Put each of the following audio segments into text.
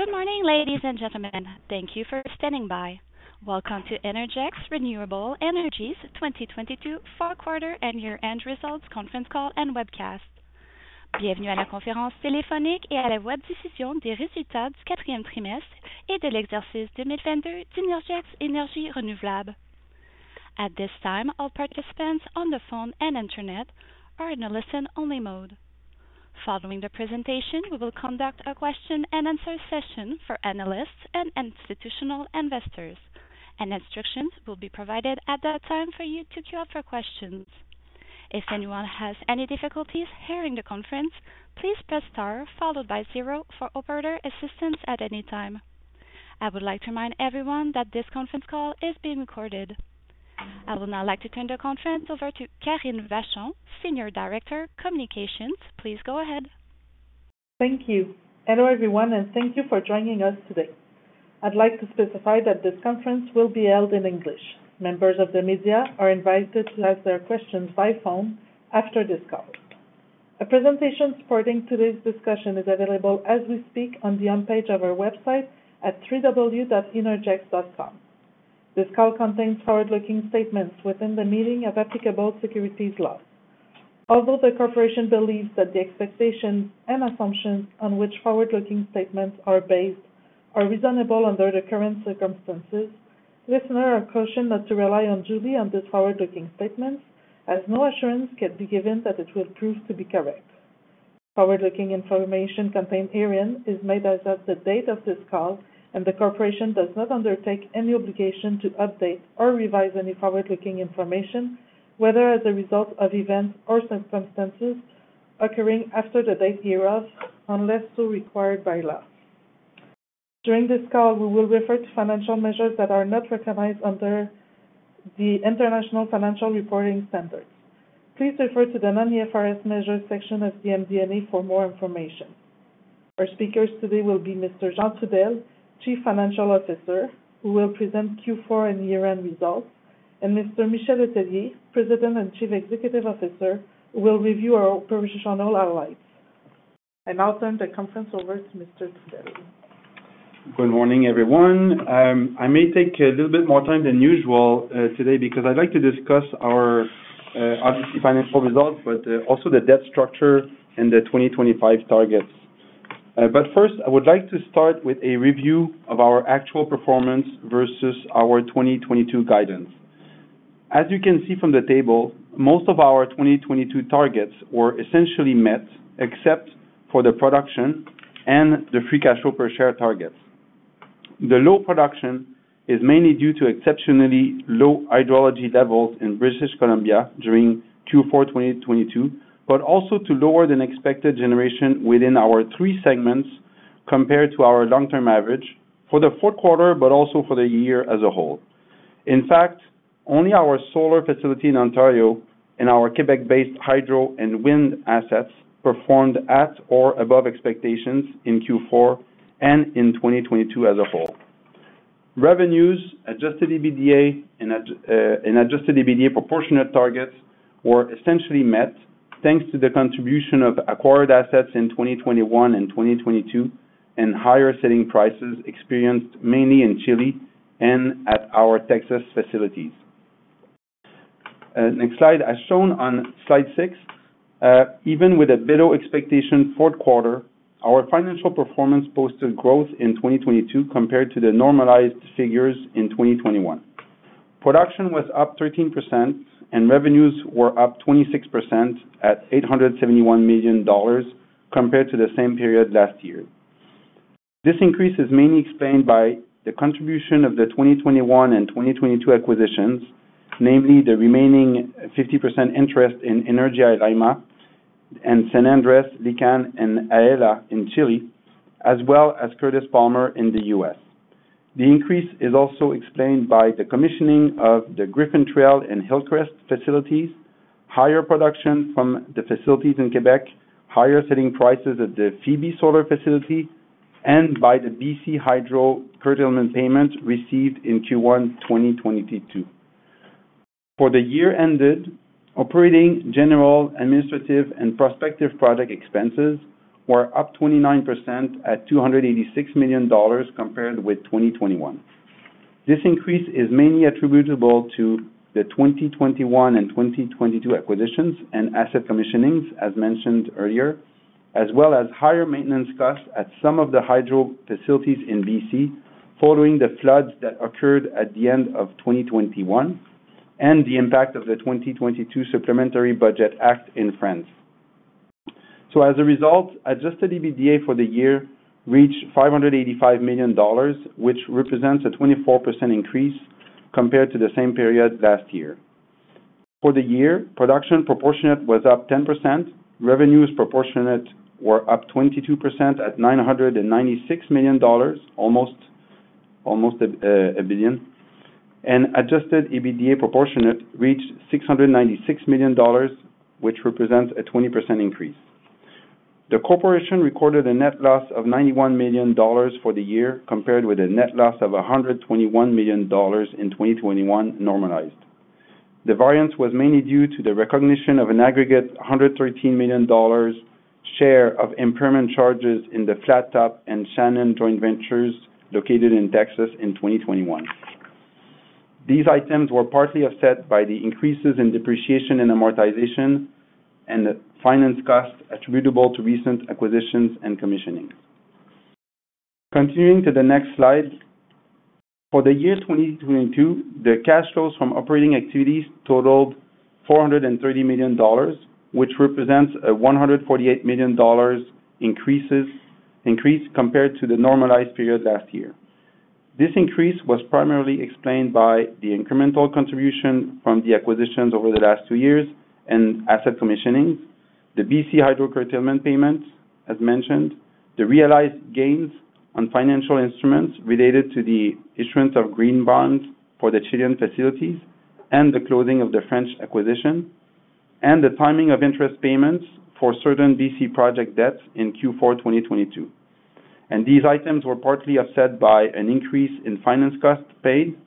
Good morning, ladies and gentlemen. Thank you for standing by. Welcome to Innergex Renewable Energy 2022 fall quarter and year-end results conference call and webcast. At this time, all participants on the phone and internet are in a listen-only mode. Following the presentation, we will conduct a question and answer session for analysts and institutional investors, and instructions will be provided at that time for you to queue up for questions. If anyone has any difficulties hearing the conference, please press star followed by 0 for operator assistance at any time. I would like to remind everyone that this conference call is being recorded. I would now like to turn the conference over to Karine Vachon, Senior Director Communications. Please go ahead. Thank you. Hello, everyone, and thank you for joining us today. I'd like to specify that this conference will be held in English. Members of the media are invited to ask their questions by phone after this call. A presentation supporting today's discussion is available as we speak on the home page of our website at www.innergex.com. This call contains forward-looking statements within the meaning of applicable securities law. Although the corporation believes that the expectations and assumptions on which forward-looking statements are based are reasonable under the current circumstances, listeners are cautioned not to rely solely on these forward-looking statements, as no assurance can be given that it will prove to be correct. Forward-looking information contained herein is made as of the date of this call. The corporation does not undertake any obligation to update or revise any forward-looking information, whether as a result of events or circumstances occurring after the date hereof, unless so required by law. During this call, we will refer to financial measures that are not recognized under the International Financial Reporting Standards. Please refer to the Non-IFRS Measures section of the MD&A for more information. Our speakers today will be Mr. Jean Trudel, Chief Financial Officer, who will present Q4 and year-end results, and Mr. Michel Letellier, President and Chief Executive Officer, who will review our operational highlights. I now turn the conference over to Mr. Trudel. Good morning, everyone. I may take a little bit more time than usual today because I'd like to discuss our obviously financial results, but also the debt structure and the 2025 targets. First, I would like to start with a review of our actual performance versus our 2022 guidance. As you can see from the table, most of our 2022 targets were essentially met except for the production and the free cash flow per share targets. The low production is mainly due to exceptionally low hydrology levels in British Columbia during Q4 2022, but also to lower than expected generation within our three segments compared to our long-term average for the fourth quarter, but also for the year as a whole. In fact, only our solar facility in Ontario and our Quebec-based hydro and wind assets performed at or above expectations in Q4 and in 2022 as a whole. Revenues, Adjusted EBITDA and Adjusted EBITDA proportionate targets were essentially met thanks to the contribution of acquired assets in 2021 and 2022, and higher selling prices experienced mainly in Chile and at our Texas facilities. Next slide. As shown on slide six, even with a below expectation fourth quarter, our financial performance posted growth in 2022 compared to the normalized figures in 2021. Production was up 13% and revenues were up 26% at $871 million compared to the same period last year. This increase is mainly explained by the contribution of the 2021 and 2022 acquisitions, namely the remaining 50% interest in Energía Llaima and San Andrés, Licán and Aela in Chile, as well as Curtis Palmer in the U.S. The increase is also explained by the commissioning of the Griffin Trail and Hillcrest facilities, higher production from the facilities in Quebec, higher selling prices at the Phoebe Solar facility, and by the BC Hydro curtailment payments received in Q1 2022. For the year ended, operating, general, administrative and prospective project expenses were up 29% at $286 million compared with 2021. This increase is mainly attributable to the 2021 and 2022 acquisitions and asset commissionings, as mentioned earlier, as well as higher maintenance costs at some of the hydro facilities in BC following the floods that occurred at the end of 2021, and the impact of the 2022 Supplementary Budget Act in France. As a result, Adjusted EBITDA for the year reached $585 million, which represents a 24% increase compared to the same period last year. For the year, production proportionate was up 10%, revenues proportionate were up 22% at $996 million, almost a billion, and Adjusted EBITDA Proportionate reached $696 million which represents a 20% increase. The corporation recorded a net loss of $91 million for the year, compared with a net loss of $121 million in 2021 normalized. The variance was mainly due to the recognition of an aggregate $113 million share of impairment charges in the Flat Top and Shannon joint ventures located in Texas in 2021. These items were partly offset by the increases in depreciation and amortization and the finance costs attributable to recent acquisitions and commissioning. Continuing to the next slide. For the year 2022, the cash flows from operating activities totaled $430 million, which represents a $148 million increase compared to the normalized period last year. This increase was primarily explained by the incremental contribution from the acquisitions over the last two years and asset commissioning, the BC Hydro curtailment payments, as mentioned, the realized gains on financial instruments related to the issuance of green bonds for the Chilean facilities and the closing of the French acquisition, and the timing of interest payments for certain BC project debts in Q4 2022. These items were partly offset by an increase in finance costs paid,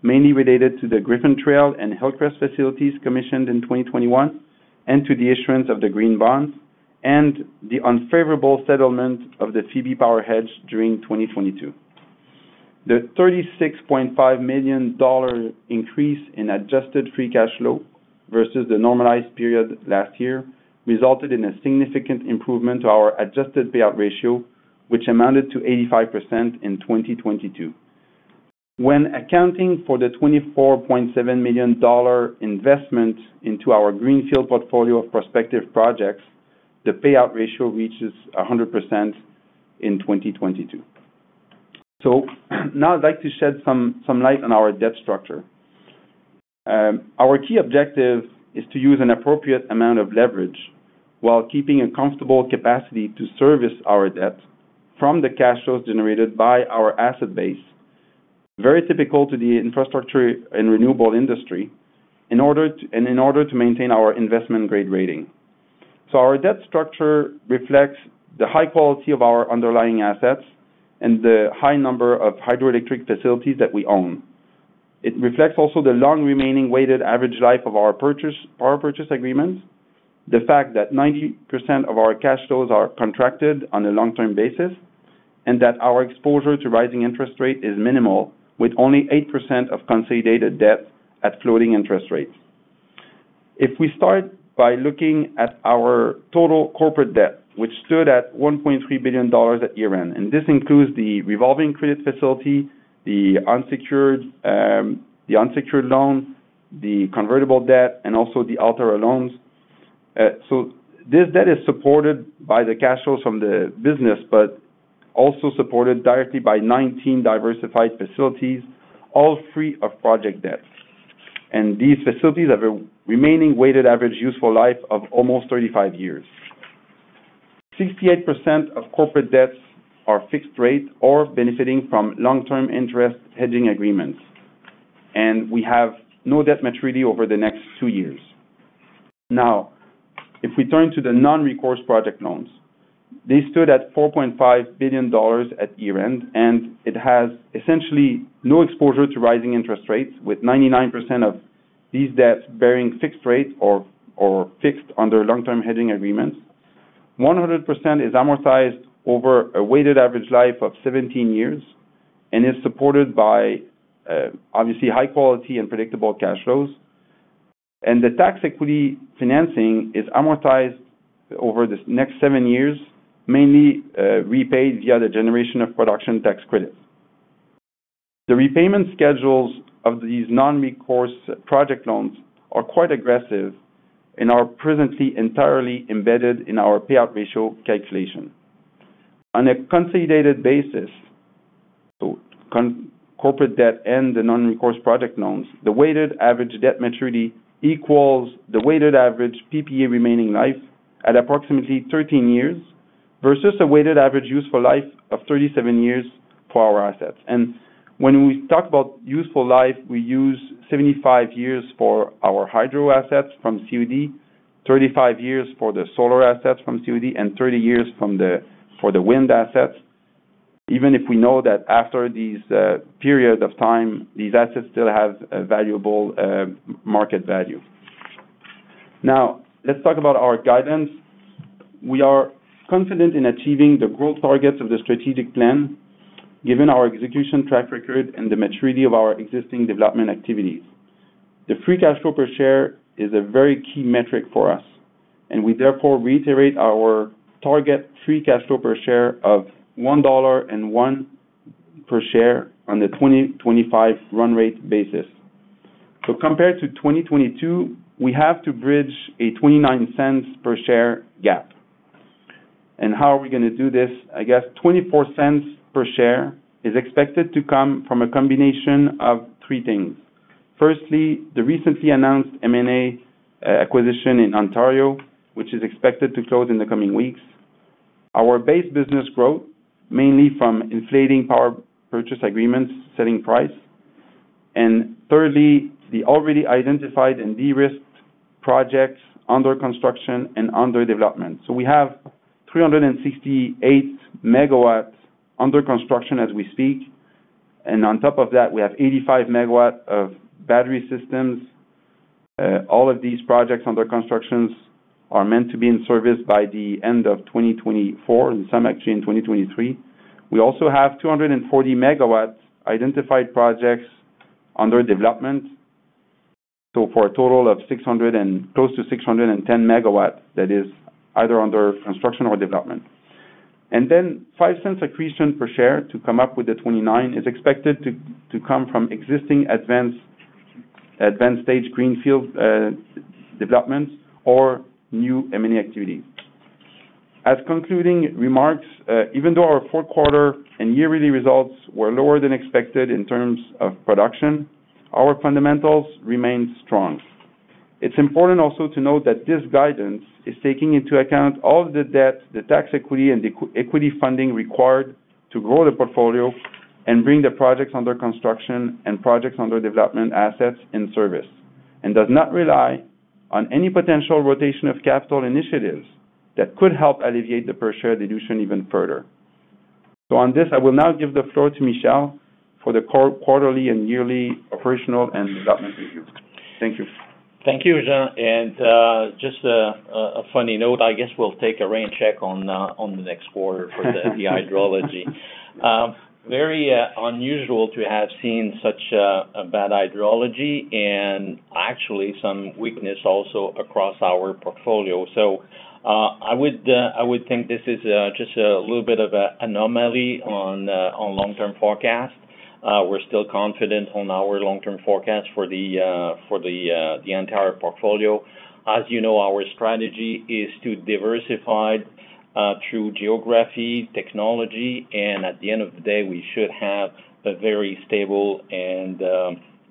mainly related to the Griffin Trail and Hillcrest facilities commissioned in 2021 and to the issuance of the Green Bonds and the unfavorable settlement of the CB power hedge during 2022. The $36.5 million increase in Adjusted Free Cash Flow versus the normalized period last year resulted in a significant improvement to our Adjusted Payout Ratio, which amounted to 85% in 2022. When accounting for the $24.7 million investment into our greenfield portfolio of prospective projects, the payout ratio reaches 100% in 2022. Now I'd like to shed some light on our debt structure. Our key objective is to use an appropriate amount of leverage while keeping a comfortable capacity to service our debt from the cash flows generated by our asset base. Very typical to the infrastructure and renewable industry in order to maintain our investment-grade rating. Our debt structure reflects the high quality of our underlying assets and the high number of hydroelectric facilities that we own. It reflects also the long remaining weighted average life of our purchase, power purchase agreements, the fact that 90% of our cash flows are contracted on a long-term basis, and that our exposure to rising interest rate is minimal, with only 8% of consolidated debt at floating interest rates. If we start by looking at our total corporate debt, which stood at 1.3 billion dollars at year-end, and this includes the revolving credit facility, the unsecured loan, the convertible debt, and also the Altura loans. So this debt is supported by the cash flows from the business, but also supported directly by 19 diversified facilities, all free of project debts. These facilities have a remaining weighted average useful life of almost 35 years. 68% of corporate debts are fixed rate or benefiting from long-term interest hedging agreements. We have no debt maturity over the next two years. If we turn to the non-recourse project loans, they stood at $4.5 billion at year-end. It has essentially no exposure to rising interest rates, with 99% of these debts bearing fixed rate or fixed under long-term hedging agreements. 100% is amortized over a weighted average life of 17 years and is supported by obviously high quality and predictable cash flows. The tax equity financing is amortized over the next 7 years, mainly repaid via the generation of production tax credits. The repayment schedules of these non-recourse project loans are quite aggressive and are presently entirely embedded in our payout ratio calculation. On a consolidated basis, so corporate debt and the non-recourse project loans, the weighted average debt maturity equals the weighted average PPA remaining life at approximately 13 years versus a weighted average useful life of 37 years for our assets. When we talk about useful life, we use 75 years for our hydro assets from COD, 35 years for the solar assets from COD, and 30 years for the wind assets, even if we know that after these periods of time, these assets still have a valuable market value. Let's talk about our guidance. We are confident in achieving the growth targets of the strategic plan, given our execution track record and the maturity of our existing development activities. The Free Cash Flow per Share is a very key metric for us. We therefore reiterate our target Free Cash Flow per Share of $1.01 per share on the 2025 run rate basis. Compared to 2022, we have to bridge a $0.29 per share gap. How are we gonna do this? I guess $0.24 per share is expected to come from a combination of three things. Firstly, the recently announced M&A acquisition in Ontario, which is expected to close in the coming weeks. Our base business growth, mainly from inflating power purchase agreements, setting price. Thirdly, the already identified and de-risked projects under construction and under development. We have 368 MW under construction as we speak, and on top of that, we have 85 MW of battery systems. All of these projects under constructions are meant to be in service by the end of 2024, and some actually in 2023. We also have 240 MW identified projects under development. For a total of close to 610 MW that is either under construction or development. $0.05 accretion per share to come up with the 29 is expected to come from existing advanced stage greenfield developments or new M&A activity. As concluding remarks, even though our fourth quarter and yearly results were lower than expected in terms of production, our fundamentals remain strong. It's important also to note that this guidance is taking into account all the debt, the tax equity, and equity funding required to grow the portfolio and bring the projects under construction and projects under development assets in service, and does not rely on any potential rotation of capital initiatives that could help alleviate the per share dilution even further. On this, I will now give the floor to Michel for the quarterly and yearly operational and development review. Thank you. Thank you, Jean. Just a funny note, I guess we'll take a rain check on the next quarter for the hydrology. Very unusual to have seen such a bad hydrology and actually some weakness also across our portfolio. I would think this is just a little bit of a anomaly on long-term forecast. We're still confident on our long-term forecast for the entire portfolio. As you know, our strategy is to diversify through geography, technology, and at the end of the day, we should have a very stable and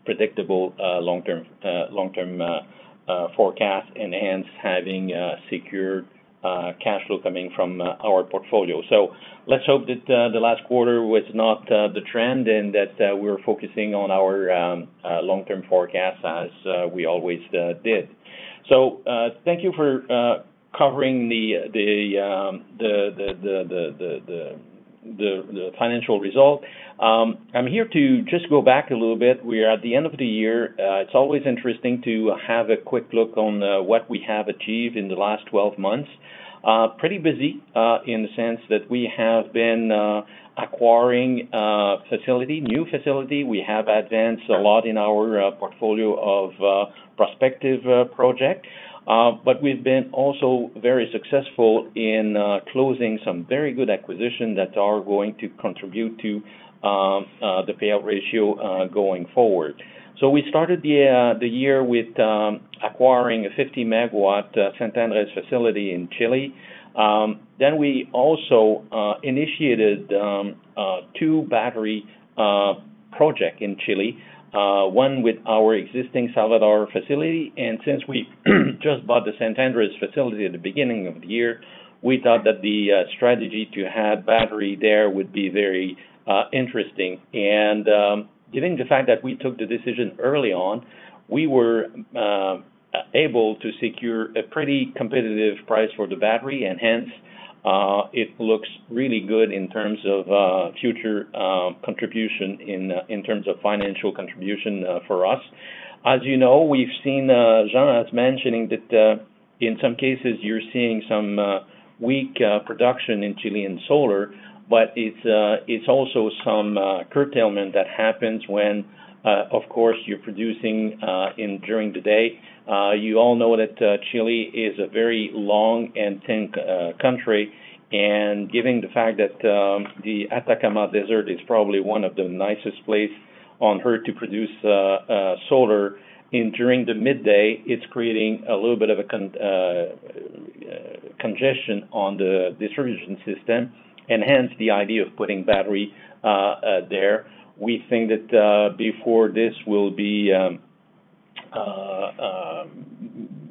predictable long-term forecast, and hence having a secure cash flow coming from our portfolio. Let's hope that the last quarter was not the trend and that we're focusing on our long-term forecast as we always did. Thank you for covering the financial result. I'm here to just go back a little bit. We are at the end of the year, it's always interesting to have a quick look on what we have achieved in the last 12 months. Pretty busy in the sense that we have been acquiring facility, new facility. We have advanced a lot in our portfolio of prospective project. We've been also very successful in closing some very good acquisition that are going to contribute to the payout ratio going forward. We started the year with acquiring a 50-MW San Andrés facility in Chile. We also initiated two battery project in Chile, one with our existing Salvador facility. Since we just bought the San Andrés facility at the beginning of the year, we thought that the strategy to have battery there would be very interesting. Given the fact that we took the decision early on, we were able to secure a pretty competitive price for the battery, and hence, it looks really good in terms of future contribution in terms of financial contribution for us. As you know, we've seen, Jean as mentioning that, in some cases, you're seeing some weak production in Chilean solar, but it's also some curtailment that happens when, of course, you're producing in during the day. You all know that Chile is a very long and thin country. Given the fact that the Atacama Desert is probably one of the nicest place on Earth to produce solar. During the midday, it's creating a little bit of congestion on the distribution system. Hence the idea of putting battery there. We think that before this will be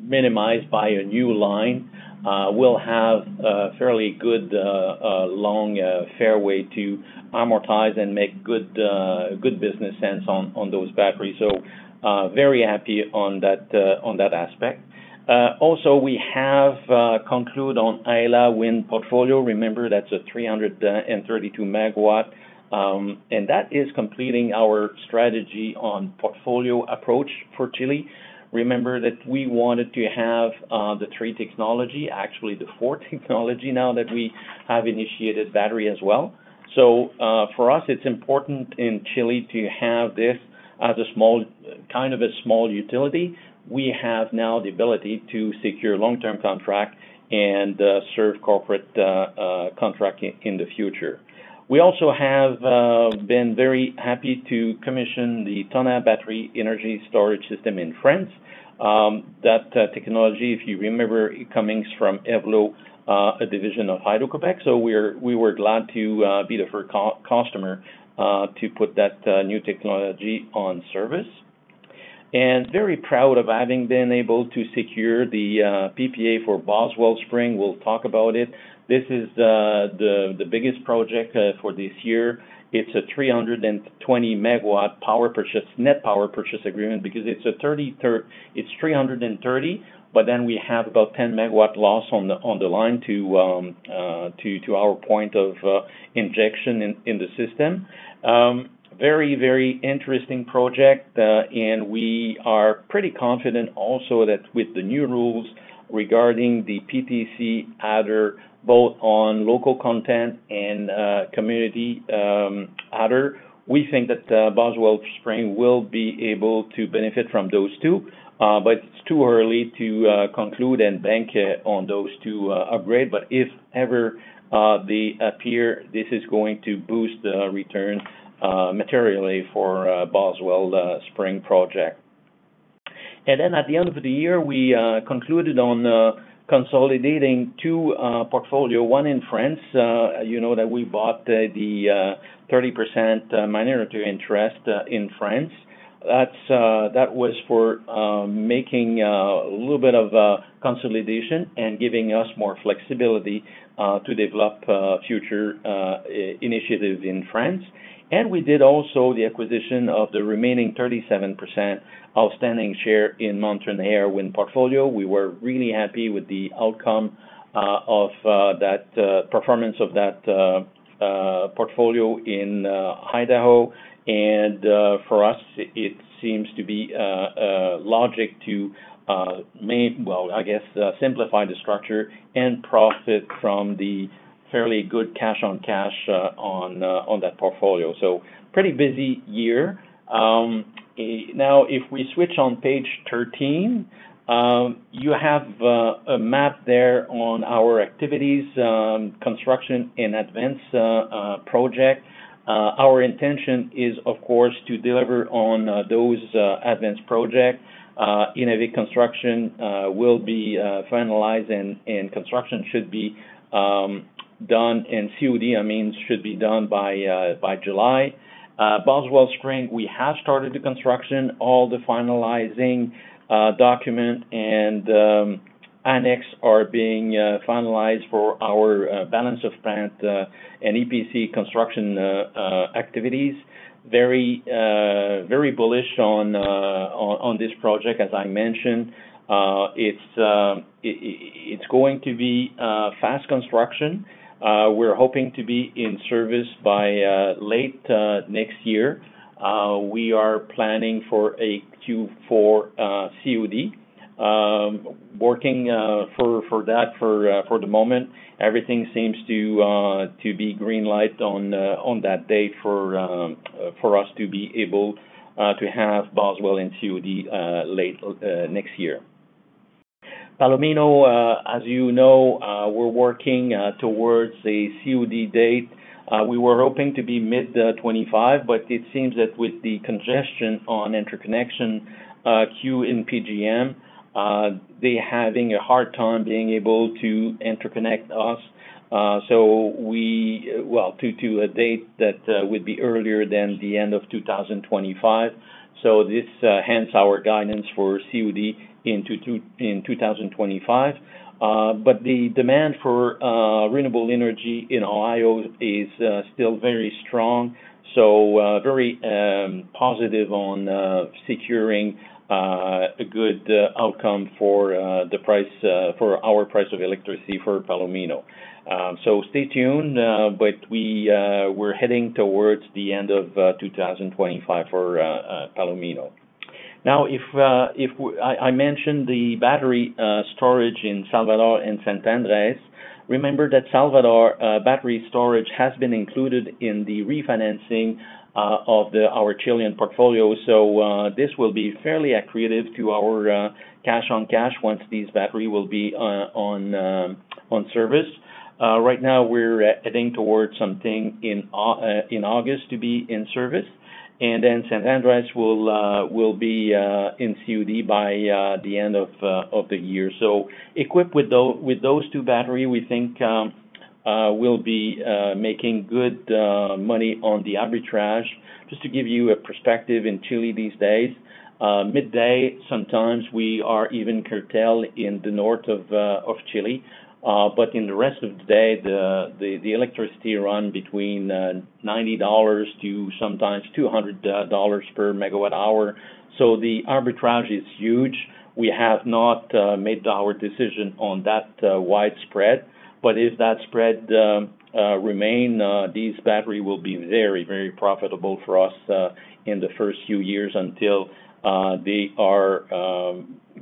minimized by a new line, we'll have a fairly good long fairway to amortize and make good business sense on those batteries. Very happy on that, on that aspect. Also we have conclude on Aela wind portfolio. Remember, that's a 332 MW, and that is completing our strategy on portfolio approach for Chile. Remember that we wanted to have the three technology, actually the four technology now that we have initiated battery as well. For us, it's important in Chile to have this as a small, kind of a small utility. We have now the ability to secure long-term contract and serve corporate contract in the future. We also have been very happy to commission the Tonnerre Battery energy storage system in France. That technology, if you remember, it comings from EVLO, a division of Hydro-Québec. We were glad to be the first customer to put that new technology on service. Very proud of having been able to secure the PPA for Boswell Spring. We'll talk about it. This is the biggest project for this year. It's a 320 MW net power purchase agreement because it's 330, but then we have about 10 MW loss on the line to our point of injection in the system. Very, very interesting project. We are pretty confident also that with the new rules regarding the PTC adder, both on local content and community adder, we think that Boswell Spring will be able to benefit from those two. it's too early to conclude and bank on those two upgrade. If ever they appear, this is going to boost the return materially for Boswell Spring project. At the end of the year, we concluded on consolidating two portfolio, one in France. you know that we bought the 30% minority interest in France. That was for making a little bit of a consolidation and giving us more flexibility to develop future initiative in France. We did also the acquisition of the remaining 37% outstanding share in Mountain Air Wind portfolio. We were really happy with the outcome of that performance of that portfolio in Idaho. For us, it seems to be logic to, Well, I guess, simplify the structure and profit from the fairly good cash on cash on that portfolio. Pretty busy year. Now, if we switch on page 13, you have a map there on our activities, construction and advance project. Our intention is, of course, to deliver on those advance project. Innavik construction will be finalized and construction should be done, and COD, I mean, should be done by July. Boswell Spring, we have started the construction. All the finalizing document and annex are being finalized for our balance of plant and EPC construction activities. Very, very bullish on this project. As I mentioned, it's going to be fast construction. We're hoping to be in service by late next year. We are planning for a Q4 COD. Working for that for the moment. Everything seems to be green-light on that date for us to be able to have Boswell in COD late next year. Palomino, as you know, we're working towards a COD date. We were hoping to be mid-2025, but it seems that with the congestion on interconnection queue in PJM, they're having a hard time being able to interconnect us. To a date that would be earlier than the end of 2025. This hence our guidance for COD in 2025. but the demand for renewable energy in Ohio is still very strong, so very positive on securing a good outcome for the price for our price of electricity for Palomino. stay tuned, but we're heading towards the end of 2025 for Palomino. Now, if I mentioned the battery storage in Salvador and San Andres. Remember that Salvador battery storage has been included in the refinancing of our Chilean portfolio. this will be fairly accretive to our cash on cash once this battery will be on service. right now, we're heading towards something in August to be in service. San Andres will be in COD by the end of the year. Equipped with those two battery, we think we'll be making good money on the arbitrage. Just to give you a perspective in Chile these days, midday, sometimes we are even curtail in the North of Chile. In the rest of the day, the electricity run between $90 to sometimes $200 per MWh. The arbitrage is huge. We have not made our decision on that wide spread, but if that spread remain, this battery will be very, very profitable for us in the first few years until they are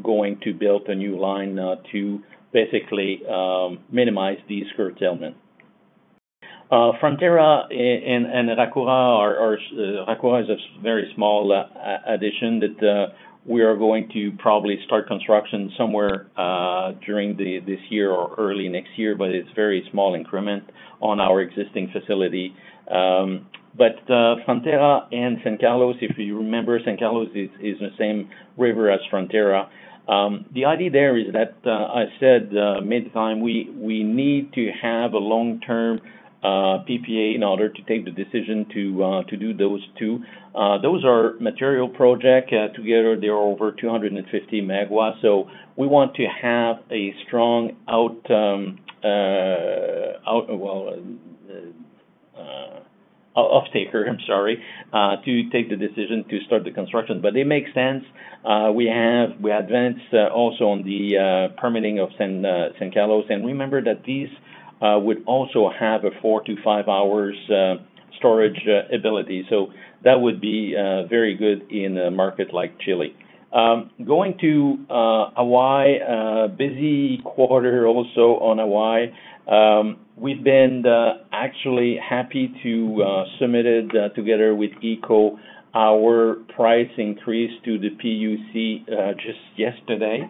going to build a new line to basically minimize this curtailment. Frontera and Racua is a very small addition that we are going to probably start construction somewhere this year or early next year, but it's very small increment on our existing facility. Frontera and San Carlos, if you remember San Carlos is the same river as Frontera. The idea there is that I said many time, we need to have a long-term PPA in order to take the decision to do those two. Those are material project. Together, they are over 250 MW. We want to have a strong out, well, offtake here, I'm sorry, to take the decision to start the construction. It makes sense. We advanced also on the permitting of San Carlos. Remember that these would also have a four to five hours storage ability. That would be very good in a market like Chile. Going to Hawaii, busy quarter also on Hawaii. We've been actually happy to submit it together with HECO our price increase to the PUC just yesterday.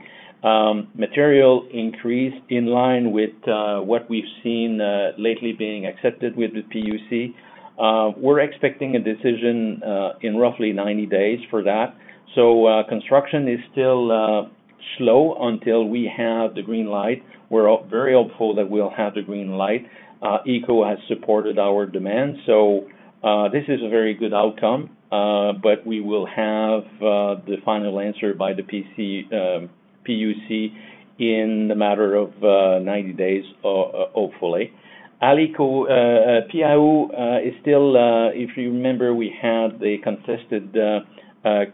Material increase in line with what we've seen lately being accepted with the PUC. We're expecting a decision in roughly 90 days for that. Construction is still slow until we have the green light. We're very hopeful that we'll have the green light. HECO has supported our demand, this is a very good outcome. We will have the final answer by the PUC in the matter of 90 days, hopefully. [Aleko PIO] is still, if you remember, we had a contested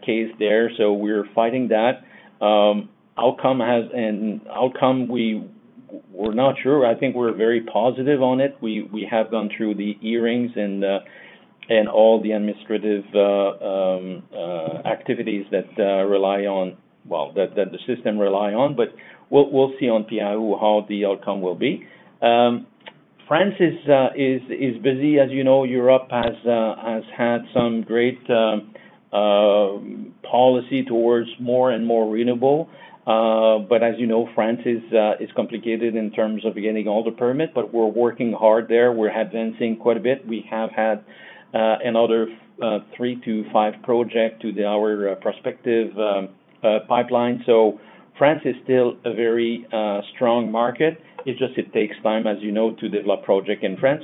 case there, we're fighting that. An outcome we're not sure. I think we're very positive on it. We have gone through the hearings and all the administrative activities that rely on, well, that the system rely on. We'll see on PIO how the outcome will be. France is busy. As you know, Europe has had some great policy towards more and more renewable. As you know, France is complicated in terms of getting all the permit, but we're working hard there. We're advancing quite a bit. We have had another 3-5 project to our prospective pipeline. France is still a very strong market. It just, it takes time, as you know, to develop project in France.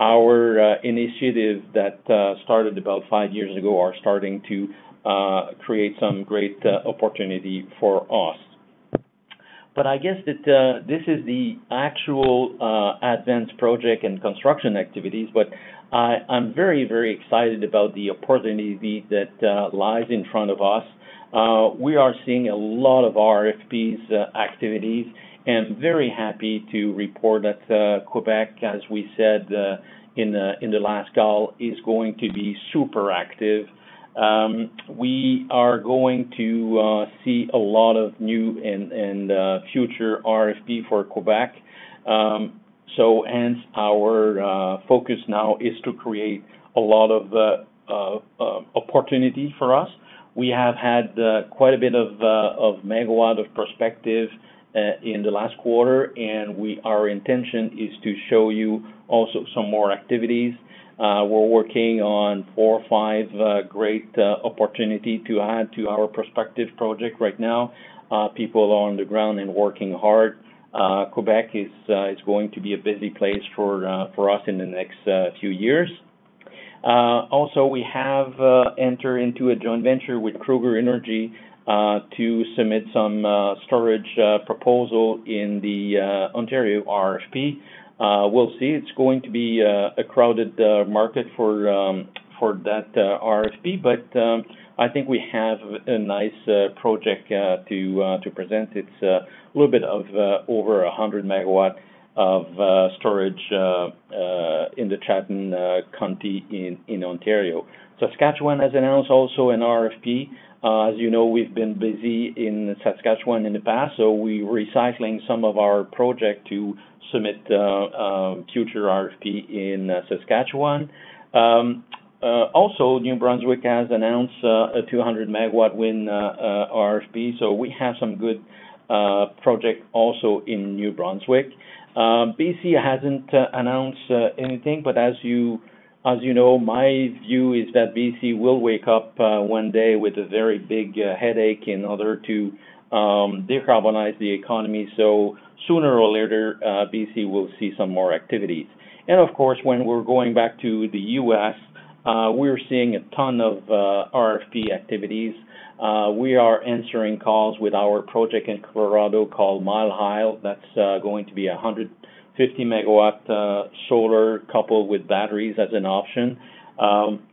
Our initiative that started about five years ago are starting to create some great opportunity for us. I guess that this is the actual advanced project and construction activities. I'm very, very excited about the opportunity that lies in front of us. We are seeing a lot of RFPs activities, and very happy to report that Quebec, as we said in the last call, is going to be super active. We are going to see a lot of new and future RFP for Quebec. Hence our focus now is to create a lot of opportunity for us. We have had quite a bit of MW of perspective in the last quarter, and our intention is to show you also some more activities. We're working on four or five great opportunity to add to our prospective project right now. People are on the ground and working hard. Quebec is going to be a busy place for us in the next few years. We have entered into a joint venture with Kruger Energy to submit some storage proposal in the Ontario RFP. We'll see. It's going to be a crowded market for that RFP, but I think we have a nice project to present. It's a little bit over 100 MW of storage in the Chatham County in Ontario. Saskatchewan has announced also an RFP. As you know, we've been busy in Saskatchewan in the past, so we're recycling some of our project to submit future RFP in Saskatchewan. New Brunswick has announced a 200 MW wind RFP, so we have some good project also in New Brunswick. BC hasn't announced anything, but as you know, my view is that BC will wake up one day with a very big headache in order to decarbonize the economy. Sooner or later, BC will see some more activities. Of course, when we're going back to the U.S., we're seeing a ton of RFP activities. We are answering calls with our project in Colorado called Mile High. That's going to be a 150 MW solar coupled with batteries as an option.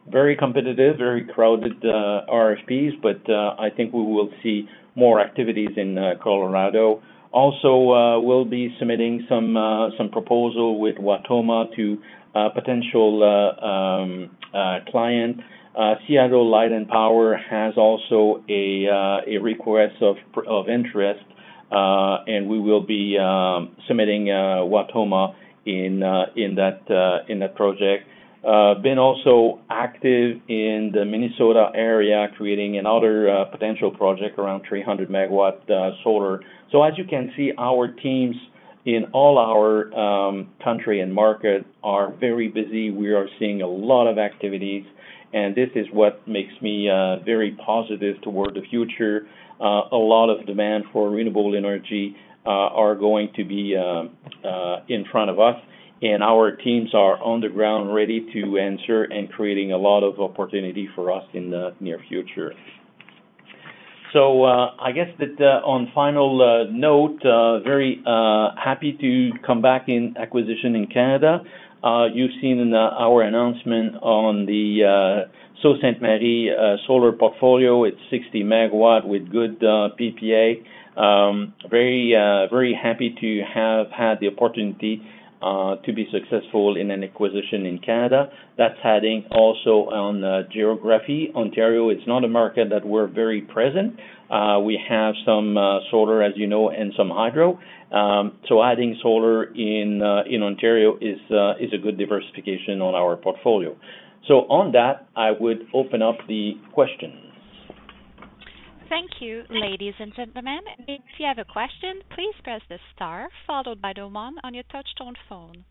Very competitive, very crowded RFPs, but I think we will see more activities in Colorado. Also, we'll be submitting some proposal with Wautoma to a potential client. Seattle City Light has also a request of interest, and we will be submitting Wautoma in that project. Been also active in the Minnesota area, creating another potential project around 300 MW solar. As you can see, our teams in all our country and markets are very busy. This is what makes me very positive toward the future. A lot of demand for renewable energy are going to be in front of us, and our teams are on the ground ready to answer and creating a lot of opportunity for us in the near future. I guess that on final note, very happy to come back in acquisition in Canada. You've seen in our announcement on the Sault Ste. Marie solar portfolio. It's 60 MW with good PPA. Very, very happy to have had the opportunity to be successful in an acquisition in Canada. That's adding also on geography. Ontario, it's not a market that we're very present. We have some solar, as you know, and some hydro. Adding solar in Ontario is a good diversification on our portfolio. On that, I would open up the questions. Thank you. Ladies and gentlemen, if you have a question, please press the star followed by the 1 on your touchtone phone.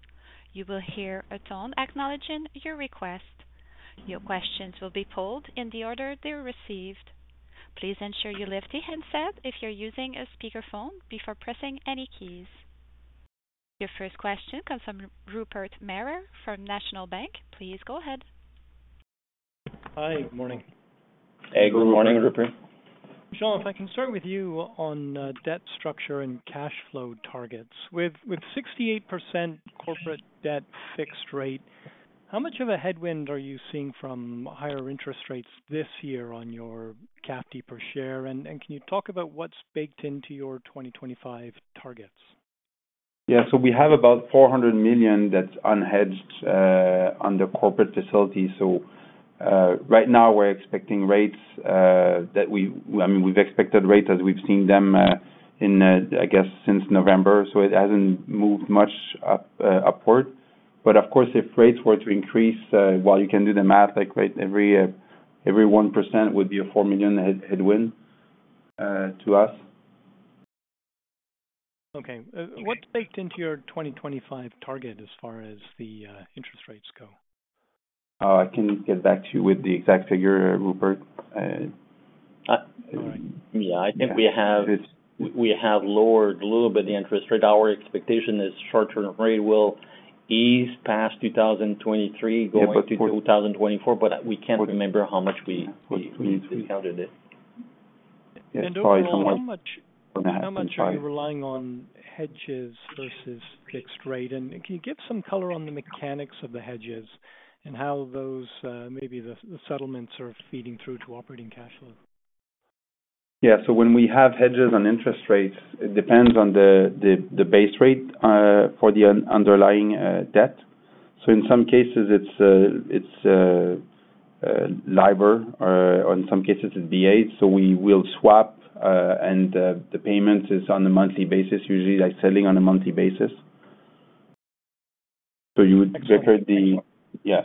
You will hear a tone acknowledging your request. Your questions will be pulled in the order they are received. Please ensure you lift the handset if you're using a speakerphone before pressing any keys. Your first question comes from Rupert Merer from National Bank. Please go ahead. Hi. Good morning. Hey, good morning, Rupert. Michel, if I can start with you on debt structure and cash flow targets. With 68% corporate debt fixed rate, how much of a headwind are you seeing from higher interest rates this year on your CAFD per share? Can you talk about what's baked into your 2025 targets? So we have about $400 million that's unhedged on the corporate facility. Right now we're expecting rates that we've expected rates as we've seen them in, I guess since November. It hasn't moved much upward. Of course, if rates were to increase, while you can do the math, like every 1% would be a $4 million headwind to us. What's baked into your 2025 target as far as the interest rates go? I can get back to you with the exact figure, Rupert. All right. Yeah. I think we have lowered a little bit the interest rate. Our expectation is short-term rate will ease past 2023. Yeah, but. Going to 2024, but we can't remember how much we discounted it. Overall, how much are you relying on hedges versus fixed rate? Can you give some color on the mechanics of the hedges and how those, maybe the settlements are feeding through to operating cash flow? Yeah. When we have hedges on interest rates, it depends on the base rate for the underlying debt. In some cases it's LIBOR, or in some cases it's BA. We will swap, and the payment is on a monthly basis, usually like selling on a monthly basis. You would record the... Yeah.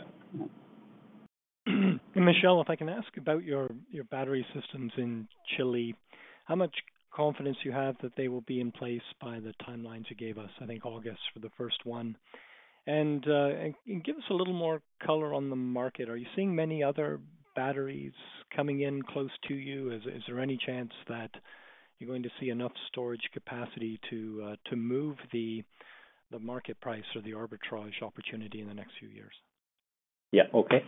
Michel, if I can ask about your battery systems in Chile, how much confidence do you have that they will be in place by the timelines you gave us, I think August for the first one? Give us a little more color on the market. Are you seeing many other batteries coming in close to you? Is there any chance that you're going to see enough storage capacity to move the market price or the arbitrage opportunity in the next few years? Yeah. Okay.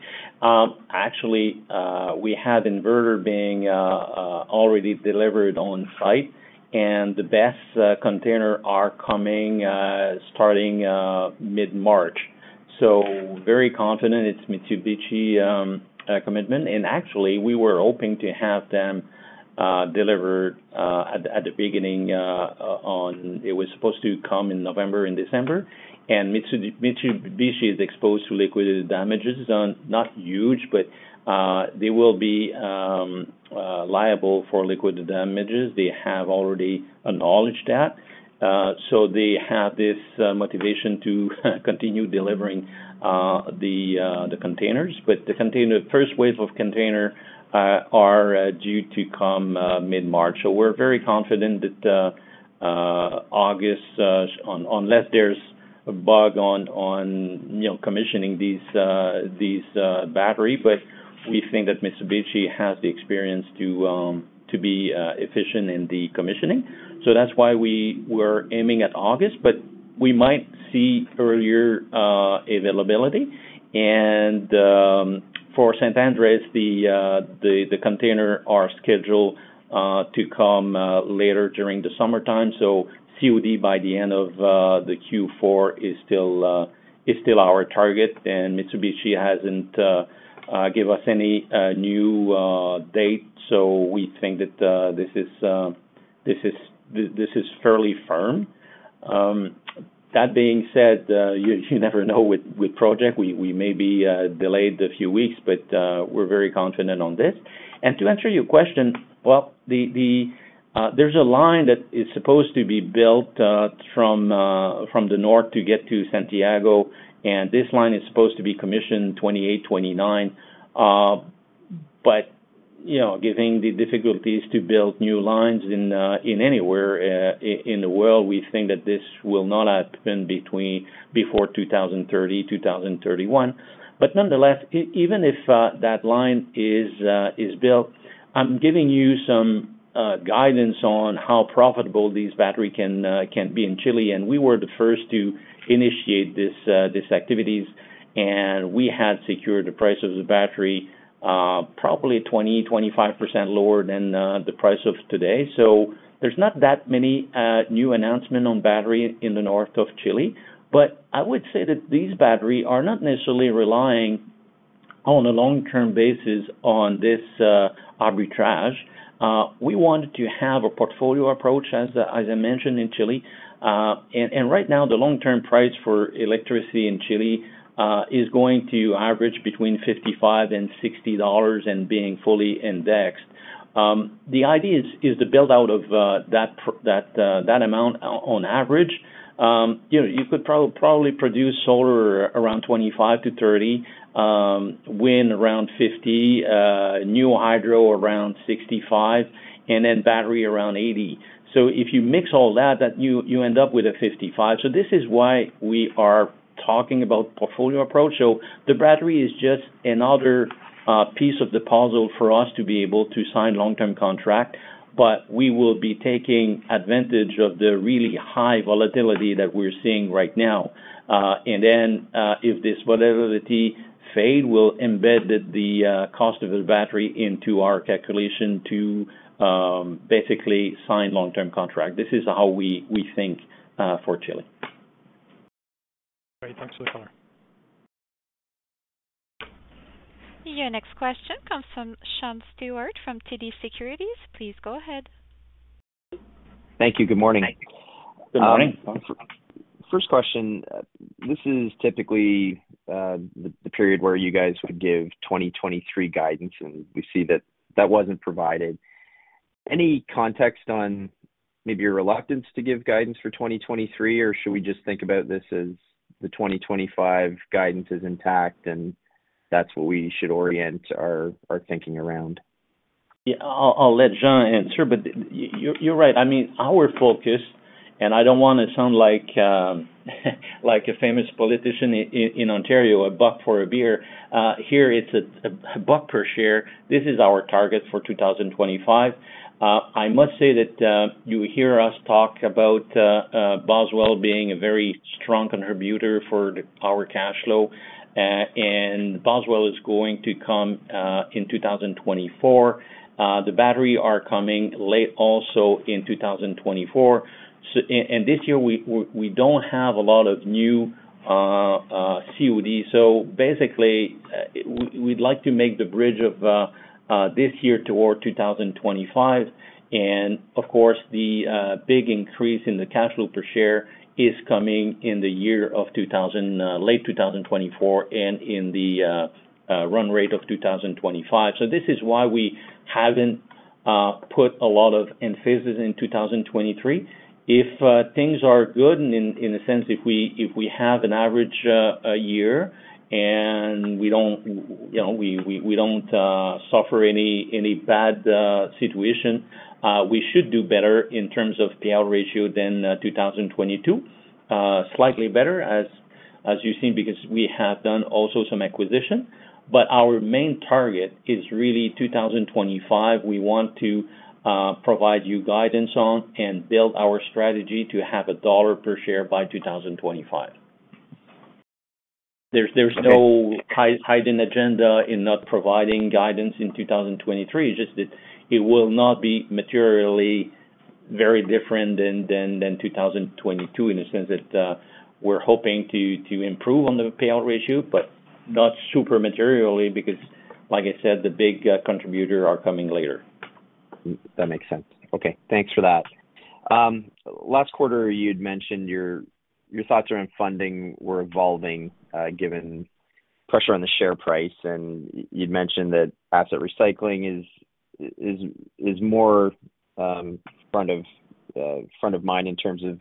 Actually, we have inverter being already delivered on site, and the BESS container are coming, starting mid-March. Very confident it's Mitsubishi commitment. Actually, we were hoping to have them delivered at the beginning. It was supposed to come in November and December, and Mitsubishi is exposed to liquidity damages. Not huge, but they will be liable for liquid damages. They have already acknowledged that. They have this motivation to continue delivering the containers. The first wave of container are due to come mid-March. We're very confident that August, unless there's a bug on, you know, commissioning these battery. We think that Mitsubishi has the experience to be efficient in the commissioning. That's why we were aiming at August. We might see earlier availability. For San Andrés, the container are scheduled to come later during the summertime. COD by the end of the Q4 is still our target. Mitsubishi hasn't give us any new date, so we think that this is fairly firm. That being said, you never know with project. We may be delayed a few weeks, but we're very confident on this. To answer your question, well, the there's a line that is supposed to be built from the north to get to Santiago, and this line is supposed to be commissioned 2028, 2029. You know, giving the difficulties to build new lines in anywhere in the world, we think that this will not happen before 2030, 2031. Nonetheless, even if that line is built, I'm giving you some guidance on how profitable these battery can be in Chile. We were the first to initiate this activities, and we had secured the price of the battery probably 20%-25% lower than the price of today. There's not that many new announcement on battery in the north of Chile. I would say that these battery are not necessarily relying on a long-term basis on this arbitrage. We want to have a portfolio approach, as I mentioned, in Chile. And right now, the long-term price for electricity in Chile is going to average between $55 and $60 and being fully indexed. The idea is to build out of that amount on average. You know, you could probably produce solar around $25-$30, wind around $50, new hydro around $65, and then battery around $80. If you mix all that, then you end up with a $55. This is why we are talking about portfolio approach. The battery is just another piece of the puzzle for us to be able to sign long-term contract. We will be taking advantage of the really high volatility that we're seeing right now. If this volatility fade, we'll embed the cost of the battery into our calculation to basically sign long-term contract. This is how we think for Chile. Great. Thanks for the color. Your next question comes from Sean Steuart from TD Securities. Please go ahead. Thank you. Good morning. Good morning. First question. This is typically the period where you guys would give 2023 guidance. We see that wasn't provided. Any context on maybe your reluctance to give guidance for 2023, or should we just think about this as the 2025 guidance is intact, and that's what we should orient our thinking around? Yeah, I'll let Jean answer, but you're right. I mean, our focus, and I don't wanna sound like a famous politician in Ontario, a buck for a beer. Here it's a buck per share. This is our target for 2025. I must say that you hear us talk about Boswell being a very strong contributor for our cash flow. Boswell is going to come in 2024. The battery are coming late also in 2024. This year, we don't have a lot of new COD. Basically, we'd like to make the bridge of this year toward 2025. Of course, the big increase in the Cash Flow per Share is coming in the year of late 2024 and in the run rate of 2025. This is why we haven't put a lot of emphasis in 2023. If things are good, in a sense, if we have an average year and we don't, you know, suffer any bad situation, we should do better in terms of Payout Ratio than 2022. Slightly better as you've seen, because we have done also some acquisition. Our main target is really 2025. We want to provide you guidance on and build our strategy to have $1 per share by 2025. There's no hiding agenda in not providing guidance in 2023. It's just that it will not be materially very different than 2022 in the sense that we're hoping to improve on the payout ratio, but not super materially, because like I said, the big contributor are coming later. That makes sense. Okay. Thanks for that. Last quarter, you'd mentioned your thoughts around funding were evolving, given pressure on the share price, and you'd mentioned that asset recycling is more front of mind in terms of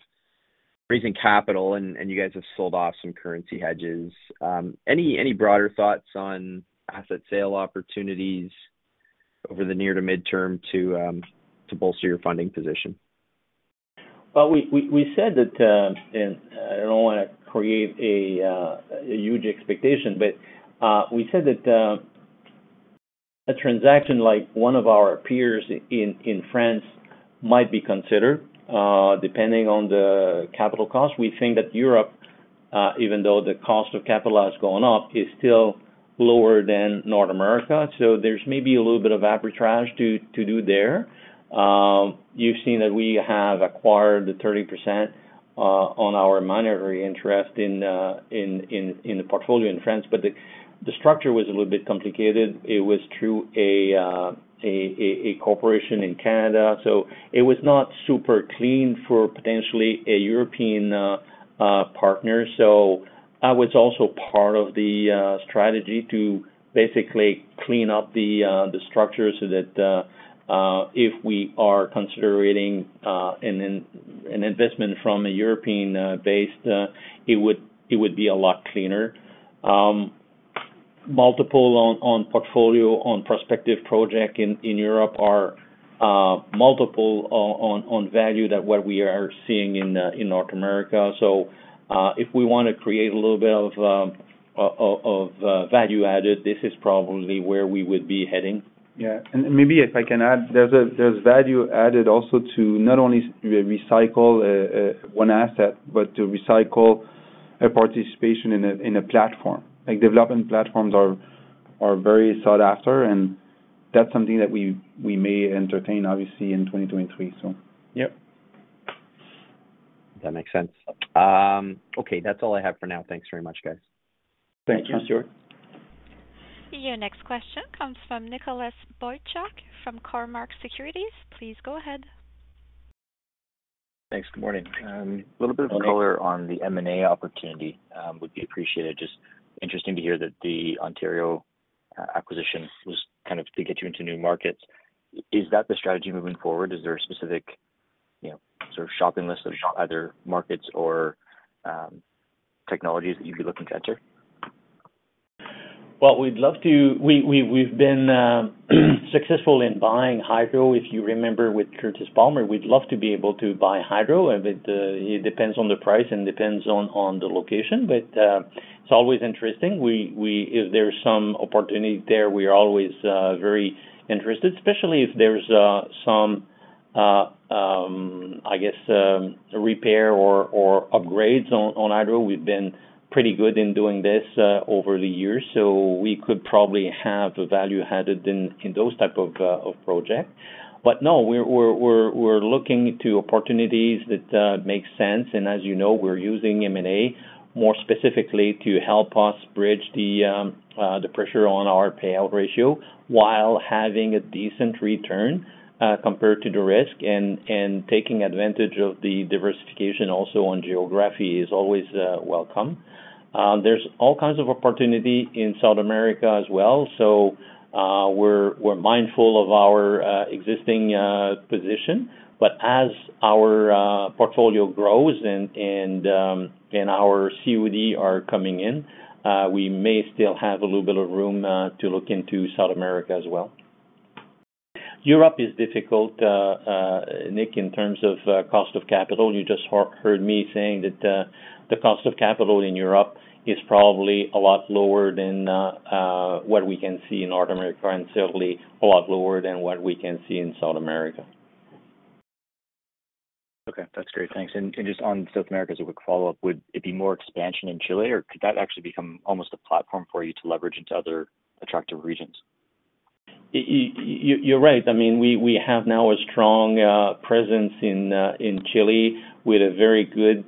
raising capital and you guys have sold off some currency hedges. Any broader thoughts on asset sale opportunities over the near to midterm to bolster your funding position? Well, we said that. And I don't wanna create a huge expectation, but we said that a transaction like one of our peers in France might be considered depending on the capital cost. We think that Europe, even though the cost of capital has gone up, is still lower than North America. There's maybe a little bit of arbitrage to do there. You've seen that we have acquired the 30% on our minority interest in the portfolio in France, the structure was a little bit complicated. It was through a corporation in Canada, so it was not super clean for potentially a European partner. That was also part of the strategy to basically clean up the structure so that if we are considering an investment from a European base, it would be a lot cleaner. Multiple on portfolio, on prospective project in Europe are multiple on value that what we are seeing in North America. If we want to create a little bit of value added, this is probably where we would be heading. Yeah. Maybe if I can add, there's value added also to not only recycle, one asset, but to recycle a participation in a platform. Like, development platforms are very sought after, that's something that we may entertain, obviously, in 2023. Yep. That makes sense. Okay, that's all I have for now. Thanks very much, guys. Thank you. Thank you, Stuart. Your next question comes from Nicholas Boychuk from Cormark Securities. Please go ahead. Thanks. Good morning. A little bit of color. Good morning. -on the M&A opportunity, would be appreciated. Interesting to hear that the Ontario acquisition was kind of to get you into new markets. Is that the strategy moving forward? Is there a specific, you know, sort of shopping list of other markets or technologies that you'd be looking at here? We'd love to. We've been successful in buying hydro, if you remember, with Curtis Palmer. We'd love to be able to buy hydro, but it depends on the price and depends on the location. It's always interesting. If there's some opportunity there, we are always very interested, especially if there's some, I guess, repair or upgrades on hydro. We've been pretty good in doing this over the years, so we could probably have a value added in those type of project. No, we're looking to opportunities that make sense. As you know, we're using M&A more specifically to help us bridge the pressure on our payout ratio while having a decent return compared to the risk and taking advantage of the diversification also on geography is always welcome. There's all kinds of opportunity in South America as well. We're mindful of our existing position. But as our portfolio grows and our COD are coming in, we may still have a little bit of room to look into South America as well. Europe is difficult, Nick, in terms of cost of capital You just heard me saying that, the cost of capital in Europe is probably a lot lower than what we can see in North America, and certainly a lot lower than what we can see in South America. Okay, that's great. Thanks. Just on South America, as a quick follow-up, would it be more expansion in Chile, or could that actually become almost a platform for you to leverage into other attractive regions? You're right. I mean, we have now a strong presence in Chile with a very good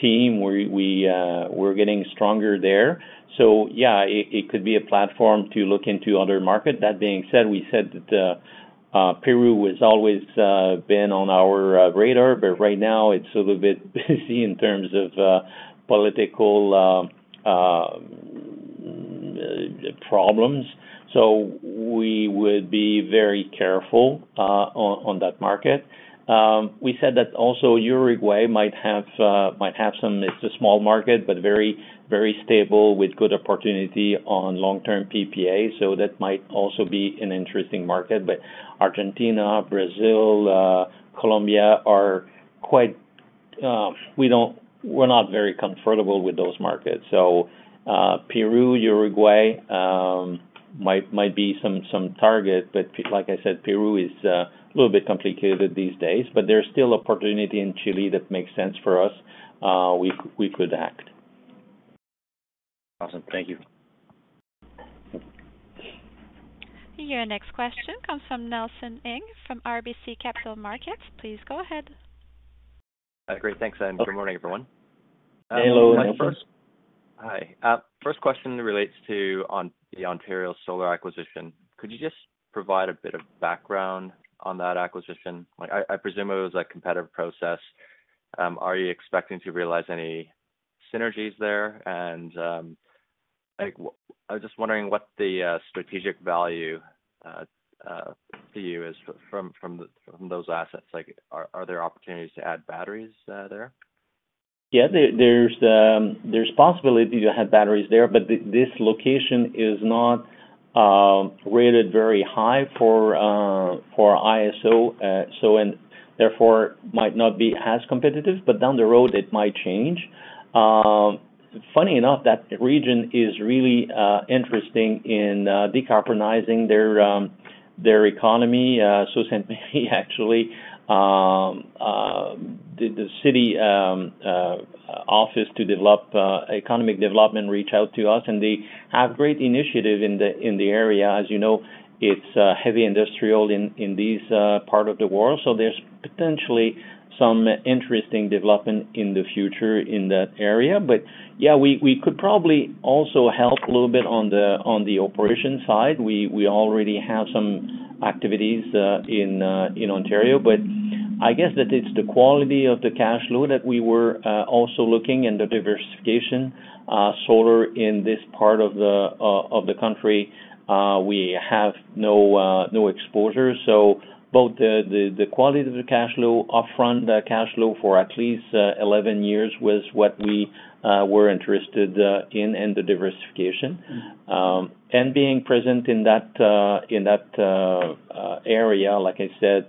team. We're getting stronger there. Yeah, it could be a platform to look into other market. That being said, we said that Peru has always been on our radar, but right now it's a little bit busy in terms of political problems. We would be very careful on that market. We said that also Uruguay might have some. It's a small market, but very, very stable with good opportunity on long-term PPA. That might also be an interesting market. Argentina, Brazil, Colombia are quite, we're not very comfortable with those markets. Peru, Uruguay might be some target. Like I said, Peru is a little bit complicated these days, but there's still opportunity in Chile that makes sense for us. We could act. Awesome. Thank you. Thank you. Your next question comes from Nelson Ng from RBC Capital Markets. Please go ahead. Great. Thanks. Good morning, everyone. Hello, Nelson. Hi. first question relates to the Ontario solar acquisition. Could you just provide a bit of background on that acquisition? Like, I presume it was a competitive process. Are you expecting to realize any synergies there? like, I was just wondering what the strategic value to you is from those assets. Like, are there opportunities to add batteries there? Yeah. There's possibility to have batteries there, but this location is not rated very high for ISO, so and therefore might not be as competitive, but down the road, it might change. Funny enough, that region is really interesting in decarbonizing their economy. Sault Ste. Marie, actually, the city office to develop economic development reached out to us, and they have great initiative in the area. As you know, it's heavy industrial in this part of the world, so there's potentially some interesting development in the future in that area. Yeah, we could probably also help a little bit on the operation side. We already have some activities in Ontario, but I guess that it's the quality of the cash flow that we were also looking and the diversification, solar in this part of the country, we have no exposure. Both the quality of the cash flow, upfront cash flow for at least 11 years was what we were interested in, and the diversification. Being present in that area, like I said,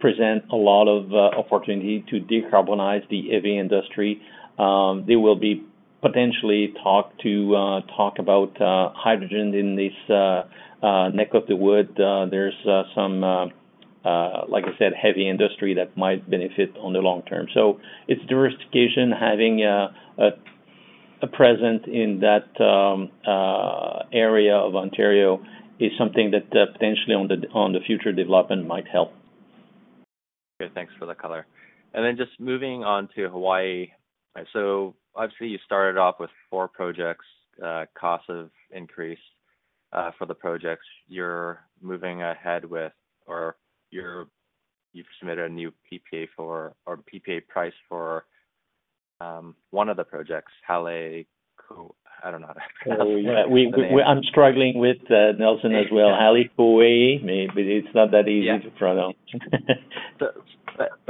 present a lot of opportunity to decarbonize the heavy industry. They will be potentially talk to talk about hydrogen in this neck of the wood. There's some, like I said, heavy industry that might benefit on the long term. It's diversification, having a presence in that area of Ontario is something that potentially on the future development might help. Good. Thanks for the color. Just moving on to Hawaii. Obviously, you started off with four projects, costs have increased for the projects. You're moving ahead with or you've submitted a new PPA for or PPA price for one of the projects, Halei-ko... I don't know how to pronounce Yeah. I'm struggling with, Nelson as well. Hale Kuawehi. Maybe it's not that easy. Yeah ...to pronounce.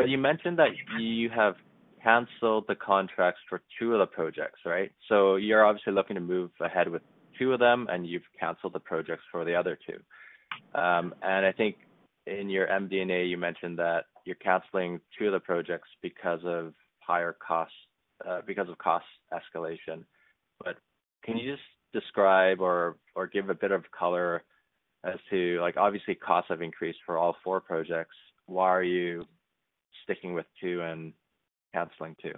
You mentioned that you have canceled the contracts for two of the projects, right? You're obviously looking to move ahead with two of them, and you've canceled the projects for the other two. I think in your MD&A, you mentioned that you're canceling two of the projects because of higher costs, because of cost escalation. Can you just describe or give a bit of color as to, like, obviously, costs have increased for all four projects. Why are you sticking with two and canceling two?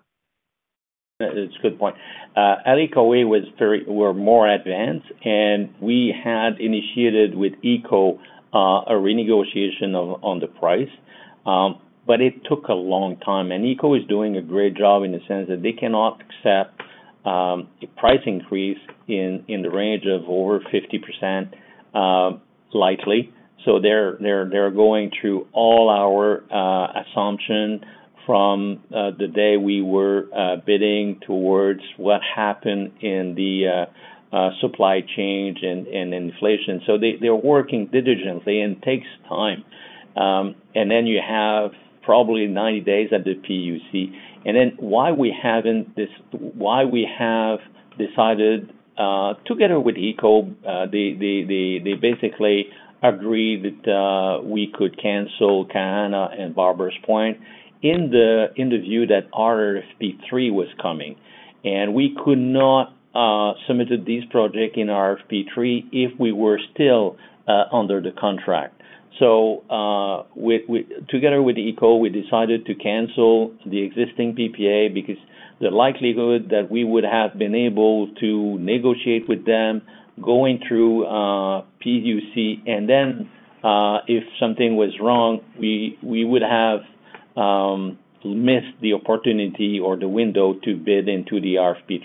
It's a good point. Hale Kuawehi was more advanced, and we had initiated with HECO a renegotiation of, on the price. It took a long time. HECO is doing a great job in the sense that they cannot accept a price increase in the range of over 50% likely. They're going through all our assumption from the day we were bidding towards what happened in the supply change and inflation. They're working diligently, and it takes time. Then you have probably 90 days at the PUC. Then why we have decided together with HECO they basically agreed that we could cancel Kahana and Barbers Point in the view that RFP 3 was coming. We could not submitted this project in RFP 3 if we were still under the contract. Together with HECO, we decided to cancel the existing PPA because the likelihood that we would have been able to negotiate with them going through PUC, and then if something was wrong, we would have missed the opportunity or the window to bid into the RFP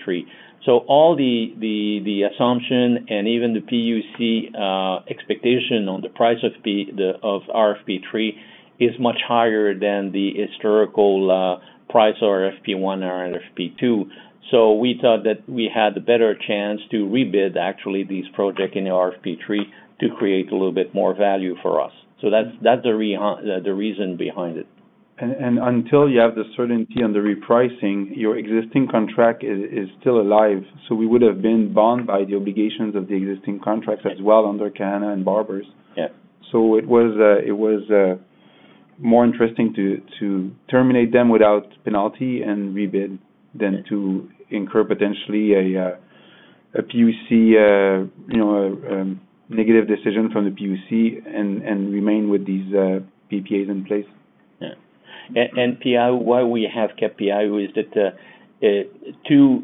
3. All the assumption and even the PUC expectation on the price of RFP 3 is much higher than the historical price of RFP 1 or RFP 2. We thought that we had a better chance to rebid, actually, this project in the RFP 3 to create a little bit more value for us. That's the reason behind it. Until you have the certainty on the repricing, your existing contract is still alive. We would have been bound by the obligations of the existing contracts as well under Kahana and Barbers. Yeah. It was more interesting to terminate them without penalty and rebid than to incur potentially a PUC, you know, negative decision from the PUC and remain with these, PPAs in place. Yeah. Paeahu, why we have kept Paeahu is that two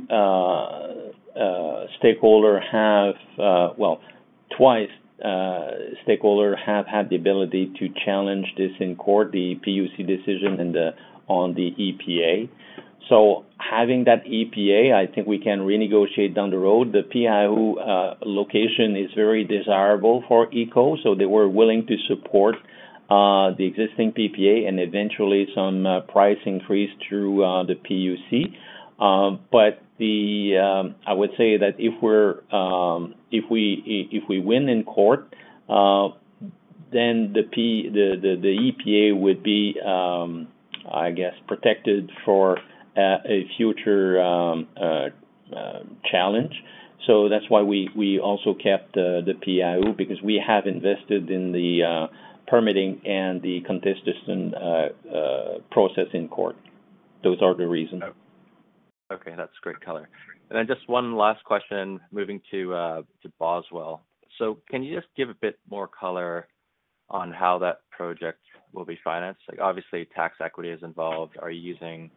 stakeholder have, well, twice, stakeholder have had the ability to challenge this in court, the PUC decision and on the EPA. Having that EPA, I think we can renegotiate down the road. The Paeahu location is very desirable for HECO, so they were willing to support the existing PPA and eventually some price increase through the PUC. I would say that if we're, if we win in court, then the EPA would be, I guess, protected for a future challenge. That's why we also kept the Paeahu because we have invested in the permitting and the contestation process in court. Those are the reasons. Okay. That's great color. Just one last question, moving to Boswell. Can you just give a bit more color on how that project will be financed? Obviously, tax equity is involved. Are you using.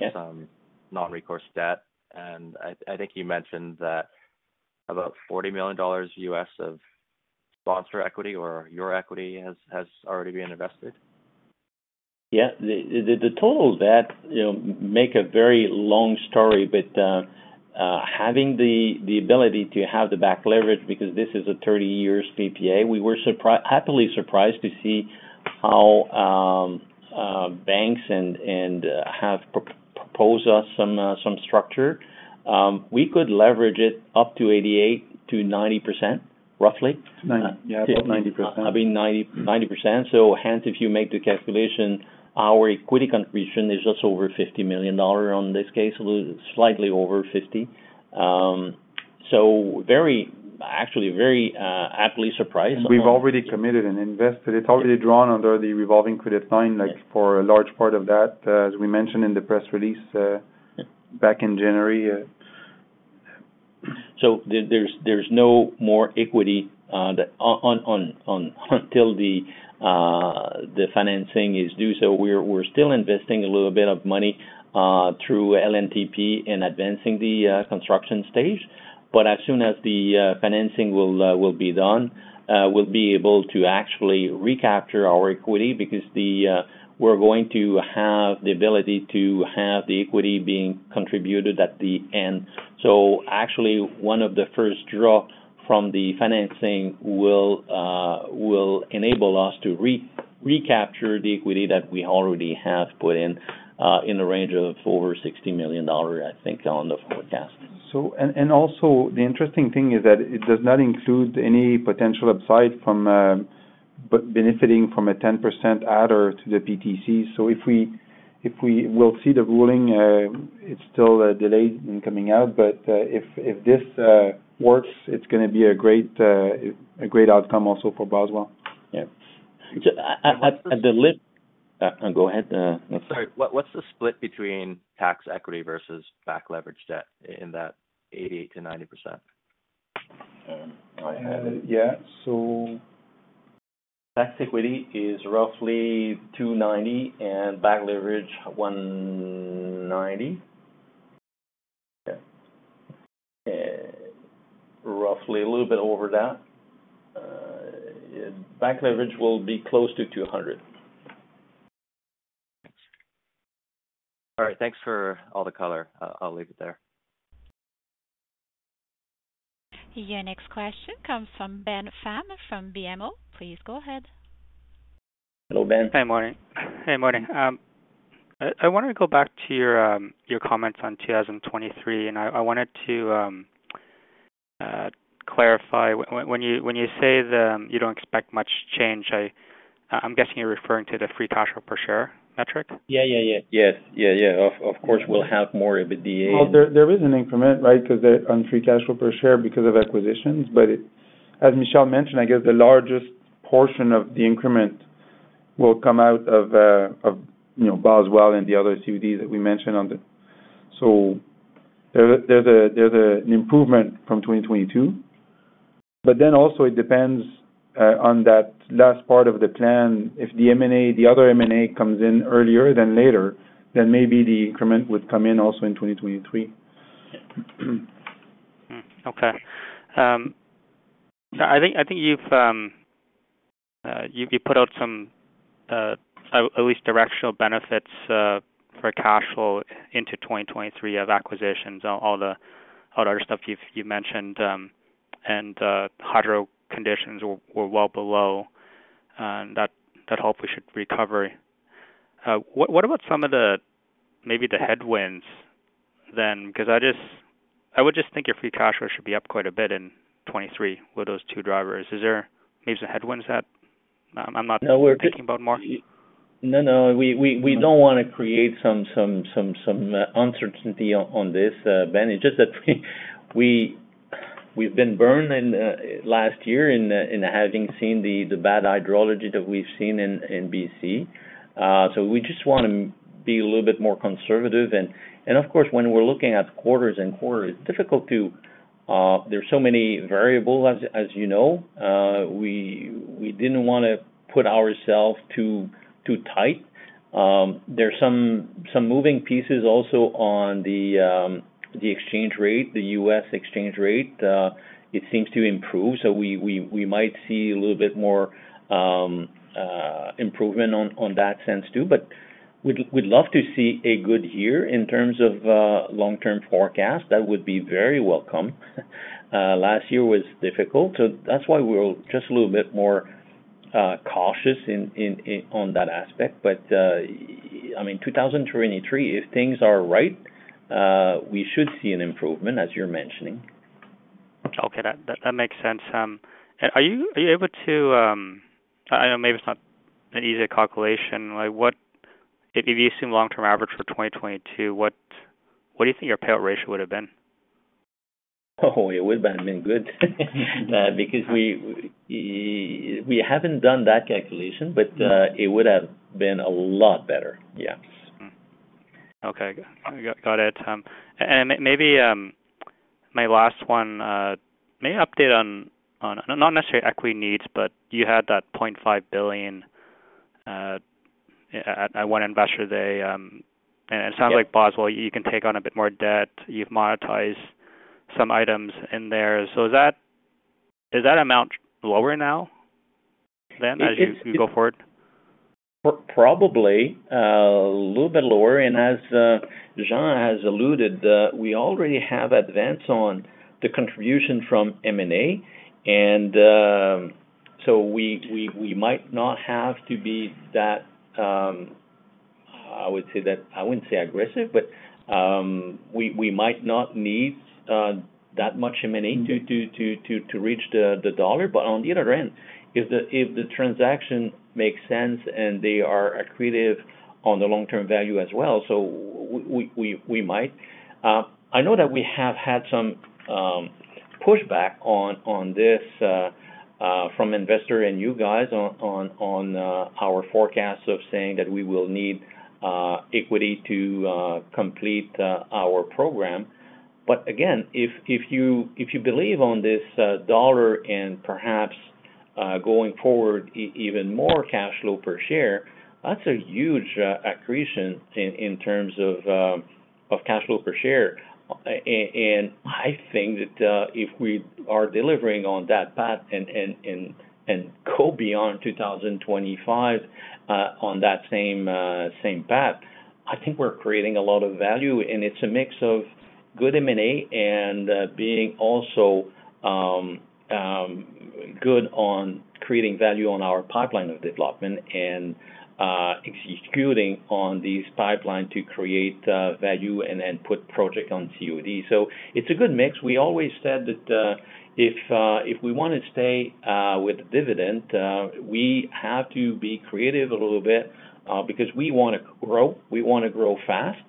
Yes ...some non-recourse debt? I think you mentioned that about $40 million U.S. of sponsor equity or your equity has already been invested. Yeah. The total debt, you know, make a very long story, but having the ability to have the back leverage because this is a 30 years PPA, we were happily surprised to see how banks and have proposed us some structure. We could leverage it up to 88%-90%, roughly. 9. Yeah, up to 90%. I mean, 90%. Hence, if you make the calculation, our equity contribution is just over $50 million on this case, a little slightly over $50. Actually very aptly surprised. We've already committed and invested. It's already drawn under the revolving credit line, like for a large part of that, as we mentioned in the press release, back in January. There's no more equity on till the financing is due. We're still investing a little bit of money through LNTP in advancing the construction stage. As soon as the financing will be done, we'll be able to actually recapture our equity because we're going to have the ability to have the equity being contributed at the end. Actually, one of the first draw from the financing will enable us to recapture the equity that we already have put in the range of over 60 million dollars, I think, on the forecast. Also the interesting thing is that it does not include any potential upside from benefiting from a 10% adder to the PTC. If we will see the ruling, it's still delayed in coming out. If this works, it's gonna be a great outcome also for Boswell. Yeah. Go ahead, yes. Sorry. What's the split between tax equity versus back leverage debt in that 80%-90%? I had... Yeah. Tax equity is roughly $290 million and back leverage $190 million. Okay. Roughly. A little bit over that. Back leverage will be close to $200 million. Thanks. All right. Thanks for all the color. I'll leave it there. Your next question comes from Ben Pham from BMO. Please go ahead. Hello, Ben. Hey, morning. Hey, morning. I wanna go back to your comments on 2023, and I wanted to clarify. When you say that you don't expect much change, I'm guessing you're referring to the Free Cash Flow per Share metric? Yeah. Yeah. Yeah. Yes. Yeah. Yeah. Of course, we'll have more EBITDA. Well, there is an increment, right? Because on Free Cash Flow per Share because of acquisitions. As Michel mentioned, I guess the largest portion of the increment will come out of, you know, Boswell and the other CODs that we mentioned on the... There's a, an improvement from 2022. Also it depends on that last part of the plan. If the M&A, the other M&A comes in earlier than later, maybe the increment would come in also in 2023. Okay. I think, I think you've put out some at least directional benefits for cash flow into 2023 of acquisitions, all the other stuff you've mentioned. Hydro conditions were well below that hopefully should recover. What about some of the, maybe the headwinds then? I would just think your free cash flow should be up quite a bit in 2023 with those two drivers. Is there maybe some headwinds that I'm not thinking about more? No, no. We don't wanna create some uncertainty on this, Ben. It's just that we've been burned last year in having seen the bad hydrology that we've seen in BC. We just wanna be a little bit more conservative. Of course, when we're looking at quarters and quarters, it's difficult to, there's so many variables as you know. We didn't wanna put ourselves too tight. There's some moving pieces also on the exchange rate, the U.S. exchange rate. It seems to improve. We might see a little bit more improvement on that sense too. We'd love to see a good year in terms of long-term forecast. That would be very welcome. Last year was difficult. That's why we're just a little bit more cautious on that aspect. I mean, 2023, if things are right, we should see an improvement as you're mentioning. Okay. That makes sense. Are you able to? I know maybe it's not an easy calculation. Like, If you assume long-term average for 2022, what do you think your payout ratio would have been? Oh, it would have been good. Because we haven't done that calculation, but it would have been a lot better. Yeah. Okay. Got it. Maybe, my last one, may I update on... Not necessarily equity needs, but you had that $0.5 billion at one Investor Day. It sounds like Boswell, you can take on a bit more debt. You've monetized some items in there. Is that amount lower now than as you go forward? Probably a little bit lower. As Jean has alluded, we already have advance on the contribution from M&A, so we might not have to be that, I wouldn't say aggressive, but we might not need that much M&A to reach the dollar. On the other end, if the transaction makes sense and they are accretive on the long-term value as well, so we might. I know that we have had some pushback on this from investor and you guys on our forecast of saying that we will need equity to complete our program. Again, if you believe on this dollar and perhaps even more cash flow per share, that's a huge accretion in terms of cash flow per share. I think that if we are delivering on that path and go beyond 2025 on that same path, I think we're creating a lot of value, and it's a mix of good M&A and being also good on creating value on our pipeline of development and executing on this pipeline to create value and then put project on COD. It's a good mix. We always said that if we wanna stay with dividend, we have to be creative a little bit because we wanna grow, we wanna grow fast.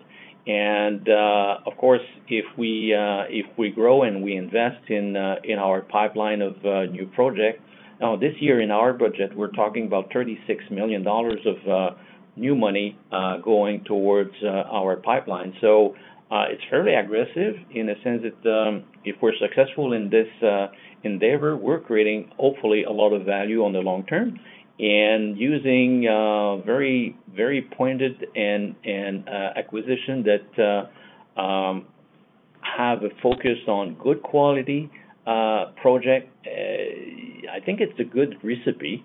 Of course, if we grow and we invest in our pipeline of new projects. Now, this year in our budget, we're talking about 36 million dollars of new money going towards our pipeline. It's fairly aggressive in a sense that, if we're successful in this endeavor, we're creating, hopefully, a lot of value on the long term. Using very, very pointed and acquisition that have a focus on good quality project, I think it's a good recipe.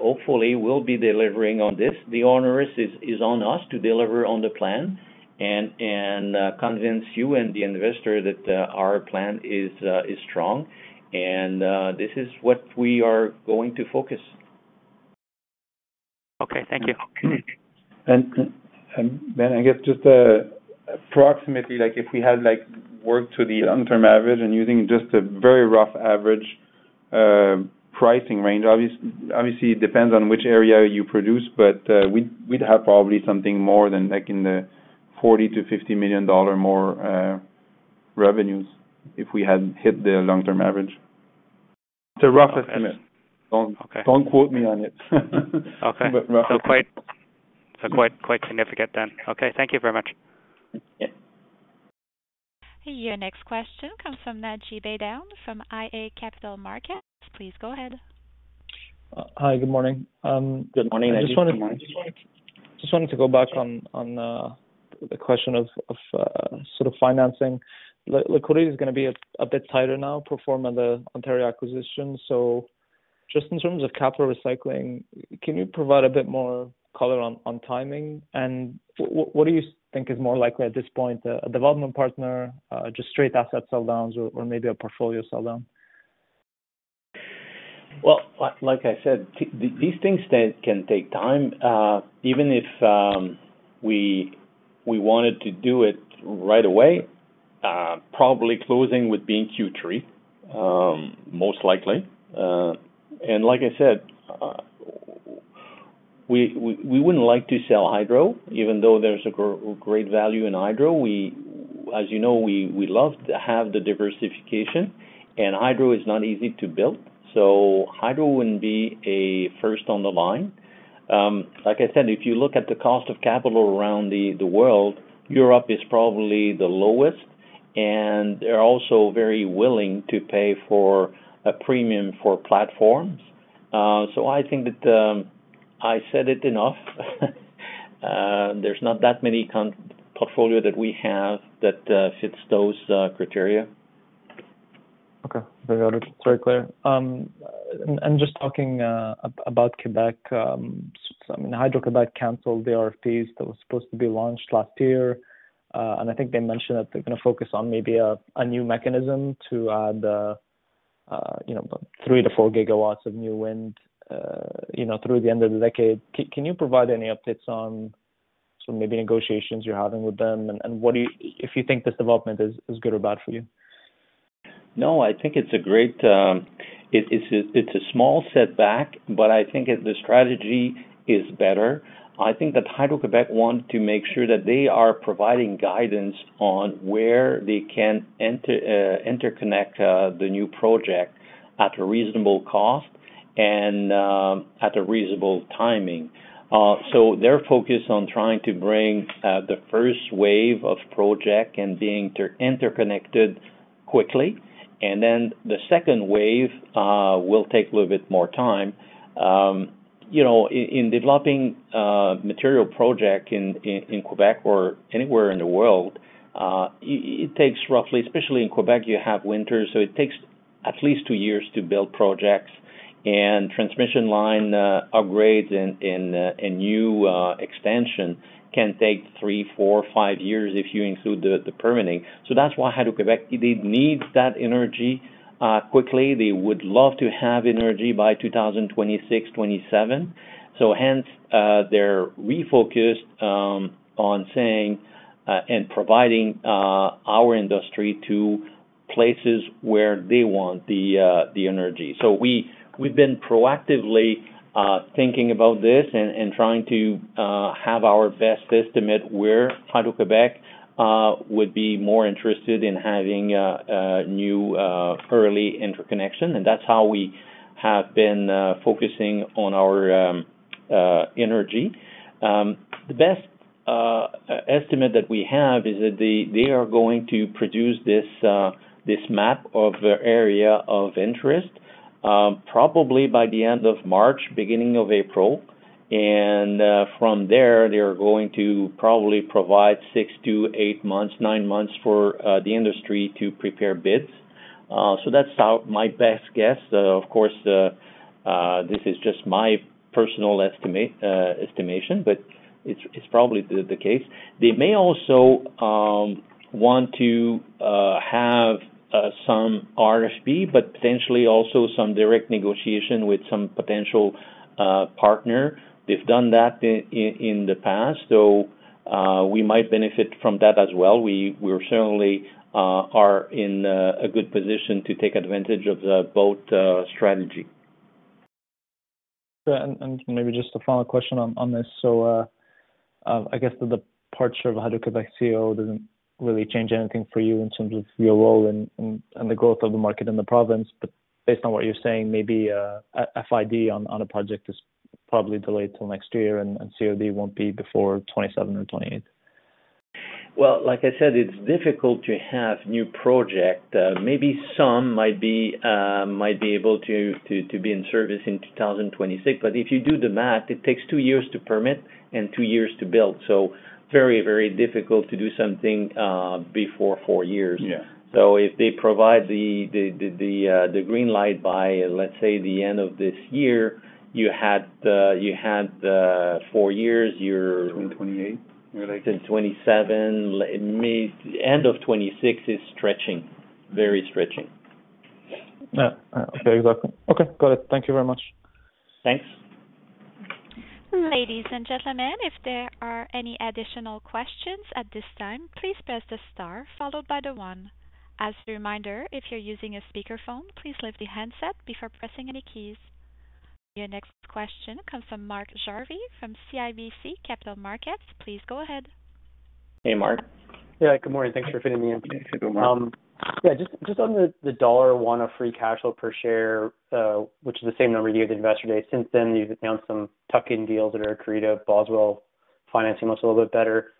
Hopefully, we'll be delivering on this. The honors is on us to deliver on the plan and convince you and the investor that our plan is strong. This is what we are going to focus. Okay. Thank you. I guess just, approximately, like, if we had, like, worked to the long-term average and using just a very rough average, pricing range, obviously, it depends on which area you produce, but, we'd have probably something more than, like, in the $40 million-$50 million more, revenues if we had hit the long-term average. It's a rough estimate. Okay. Don't quote me on it. Okay. Roughly. Quite significant then. Okay. Thank you very much. Yeah. Your next question comes from Naji Baydoun from iA Capital Markets. Please go ahead. Hi. Good morning. Good morning, Naji. I just wanted to go back on, uh, the question of, uh, sort of financing. Liquidity is gonna be a bit tighter now perform on the Ontario acquisition. Just in terms of capital recycling, can you provide a bit more color on timing? What do you think is more likely at this point, a development partner, just straight asset sell downs or maybe a portfolio sell down? Well, like I said, these things can take time. Even if we wanted to do it right away, probably closing would be in Q3, most likely. Like I said, we wouldn't like to sell hydro, even though there's a great value in hydro. As you know, we love to have the diversification, and hydro is not easy to build, so hydro wouldn't be a first on the line. Like I said, if you look at the cost of capital around the world, Europe is probably the lowest, and they're also very willing to pay for a premium for platforms. I think that I said it enough. There's not that many portfolio that we have that fits those criteria. Okay. Very, very clear. Just talking about Quebec, I mean, Hydro-Québec canceled the RFPs that was supposed to be launched last year. I think they mentioned that they're gonna focus on maybe a new mechanism to add, you know, about 3-4 GW of new wind, you know, through the end of the decade. Can you provide any updates on some maybe negotiations you're having with them? What do you, if you think this development is good or bad for you? No, I think it's a great, It's a small setback, but I think the strategy is better. I think that Hydro-Québec wants to make sure that they are providing guidance on where they can interconnect the new project at a reasonable cost and at a reasonable timing. They're focused on trying to bring the first wave of project and being interconnected quickly. The second wave will take a little bit more time. You know, in developing material project in Quebec or anywhere in the world, it takes roughly. Especially in Quebec, you have winter, so it takes at least two years to build projects and transmission line upgrades and new expansion can take three, four, five years if you include the permitting. That's why Hydro-Québec, they need that energy quickly. They would love to have energy by 2026, 2027. Hence, they're refocused on saying and providing our industry to places where they want the energy. We, we've been proactively thinking about this and trying to have our best estimate where Hydro-Québec would be more interested in having a new early interconnection. That's how we have been focusing on our energy. The best estimate that we have is that they are going to produce this map of the area of interest, probably by the end of March, beginning of April. From there, they are going to probably provide 6-8 months, nine months for the industry to prepare bids. That's how my best guess. Of course, this is just my personal estimate, estimation, but it's probably the case. They may also want to have some RFP, but potentially also some direct negotiation with some potential partner. They've done that in the past, we might benefit from that as well. We certainly are in a good position to take advantage of the both strategy. Maybe just a final question on this. I guess the departure of Hydro-Québec CEO doesn't really change anything for you in terms of your role and the growth of the market in the province. Based on what you're saying, maybe FID on a project is probably delayed till next year and COD won't be before 2027 or 2028. Like I said, it's difficult to have new project. Maybe some might be able to be in service in 2026. If you do the math, it takes two years to permit and two years to build. Very difficult to do something before four years. Yeah. If they provide the green light by, let's say, the end of this year, you had four years. 28. 27. May... End of 2026 is stretching. Very stretching. Yeah. Okay, exactly. Okay. Got it. Thank you very much. Thanks. Ladies and gentlemen, if there are any additional questions at this time, please press the star followed by the one. As a reminder, if you're using a speaker phone, please lift the handset before pressing any keys. Your next question comes from Mark Jarvi from CIBC Capital Markets. Please go ahead. Hey, Mark. Yeah. Good morning. Thanks for fitting me in. Yeah. Good morning. Yeah, just on the $1 of free cash flow per share, which is the same number you gave at investor day. Since then, you've announced some tuck-in deals that are creative. Boswell financing looks a little bit better.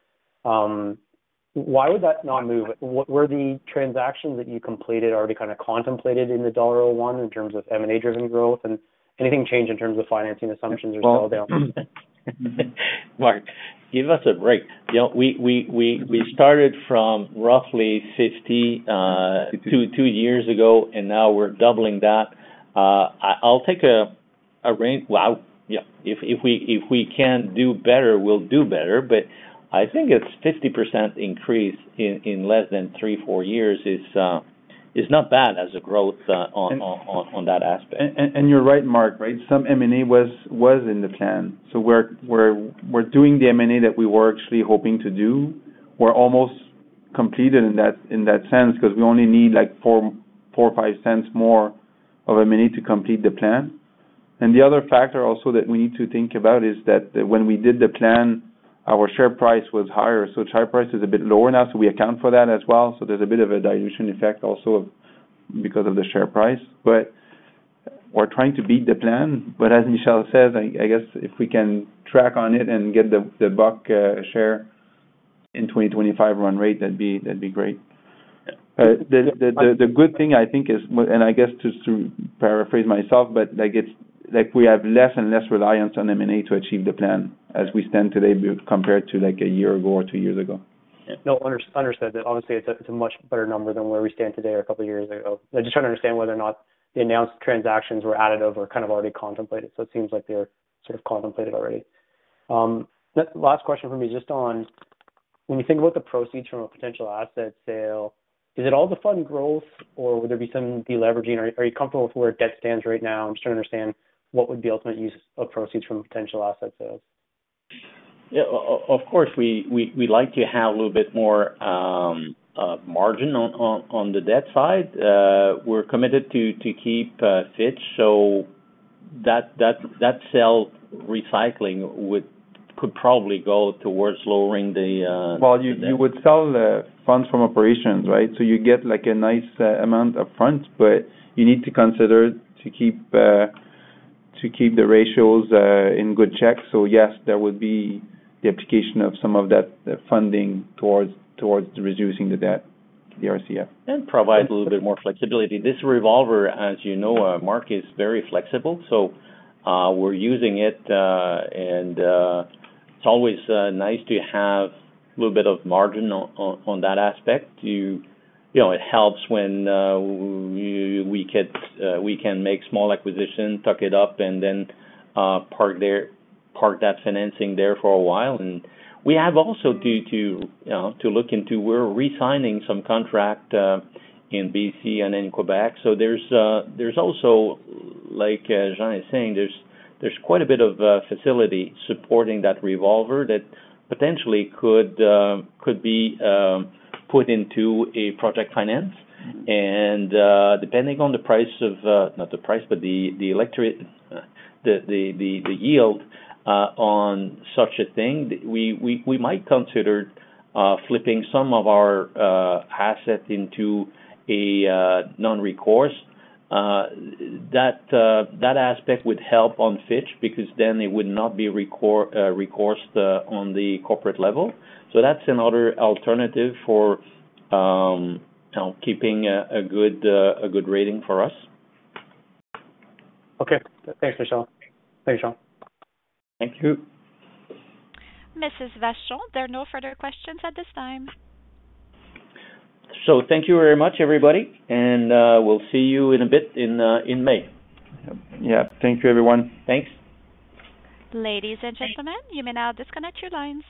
Why would that not move? Were the transactions that you completed already kinda contemplated in the $1 in terms of M&A-driven growth? Anything change in terms of financing assumptions or sell down? Mark, give us a break. You know, we started from roughly 50, two years ago. Now we're doubling that. I'll take a rain... Well, yeah, if we can do better, we'll do better. I think it's 50% increase in less than three, four years is not bad as a growth on that aspect. You're right, Mark, right? Some M&A was in the plan. We're doing the M&A that we were actually hoping to do. We're almost completed in that, in that sense 'cause we only need like 0.04 or 0.05 more of M&A to complete the plan. The other factor also that we need to think about is that when we did the plan, our share price was higher. Share price is a bit lower now, so we account for that as well. There's a bit of a dilution effect also because of the share price. We're trying to beat the plan. As Michel says, I guess if we can track on it and get the CAD 1 share in 2025 run rate, that'd be great. The good thing I think is, and I guess just to paraphrase myself, but like we have less and less reliance on M&A to achieve the plan as we stand today compared to like one year ago or two years ago. No, under-understood. Obviously, it's a much better number than where we stand today or a couple of years ago. I just want to understand whether or not the announced transactions were additive or kind of already contemplated. It seems like they're sort of contemplated already. Last question for me, just on when we think about the proceeds from a potential asset sale, is it all the fund growth or would there be some deleveraging? Are you comfortable with where debt stands right now? I'm just trying to understand what would be ultimate use of proceeds from potential asset sales. Yeah. Of course, we like to have a little bit more margin on the debt side. We're committed to keep Fitch so that sale recycling could probably go towards lowering the. Well, you would sell the funds from operations, right? You get like a nice amount upfront, but you need to consider to keep the ratios in good check. Yes, there would be the application of some of that funding towards reducing the debt, the RCF. Provide a little bit more flexibility. This revolver, as you know, Mark, is very flexible. We're using it, and it's always nice to have a little bit of margin on that aspect to. You know, it helps when we could make small acquisitions, tuck it up, and then park that financing there for a while. We have also to, you know, to look into we're resigning some contract in BC and in Quebec. There's also, like Jean is saying, there's quite a bit of facility supporting that revolver that potentially could be put into a project finance. Depending on the price of not the price, but the yield on such a thing, we might consider flipping some of our assets into a non-recourse. That aspect would help on Fitch because then it would not be re-coursed on the corporate level. That's another alternative for, you know, keeping a good rating for us. Okay. Thanks, Michel. Thanks, Jean. Thank you. Mrs. Vashon, there are no further questions at this time. Thank you very much, everybody, and we'll see you in a bit in May. Yeah. Thank you, everyone. Thanks. Ladies and gentlemen, you may now disconnect your lines.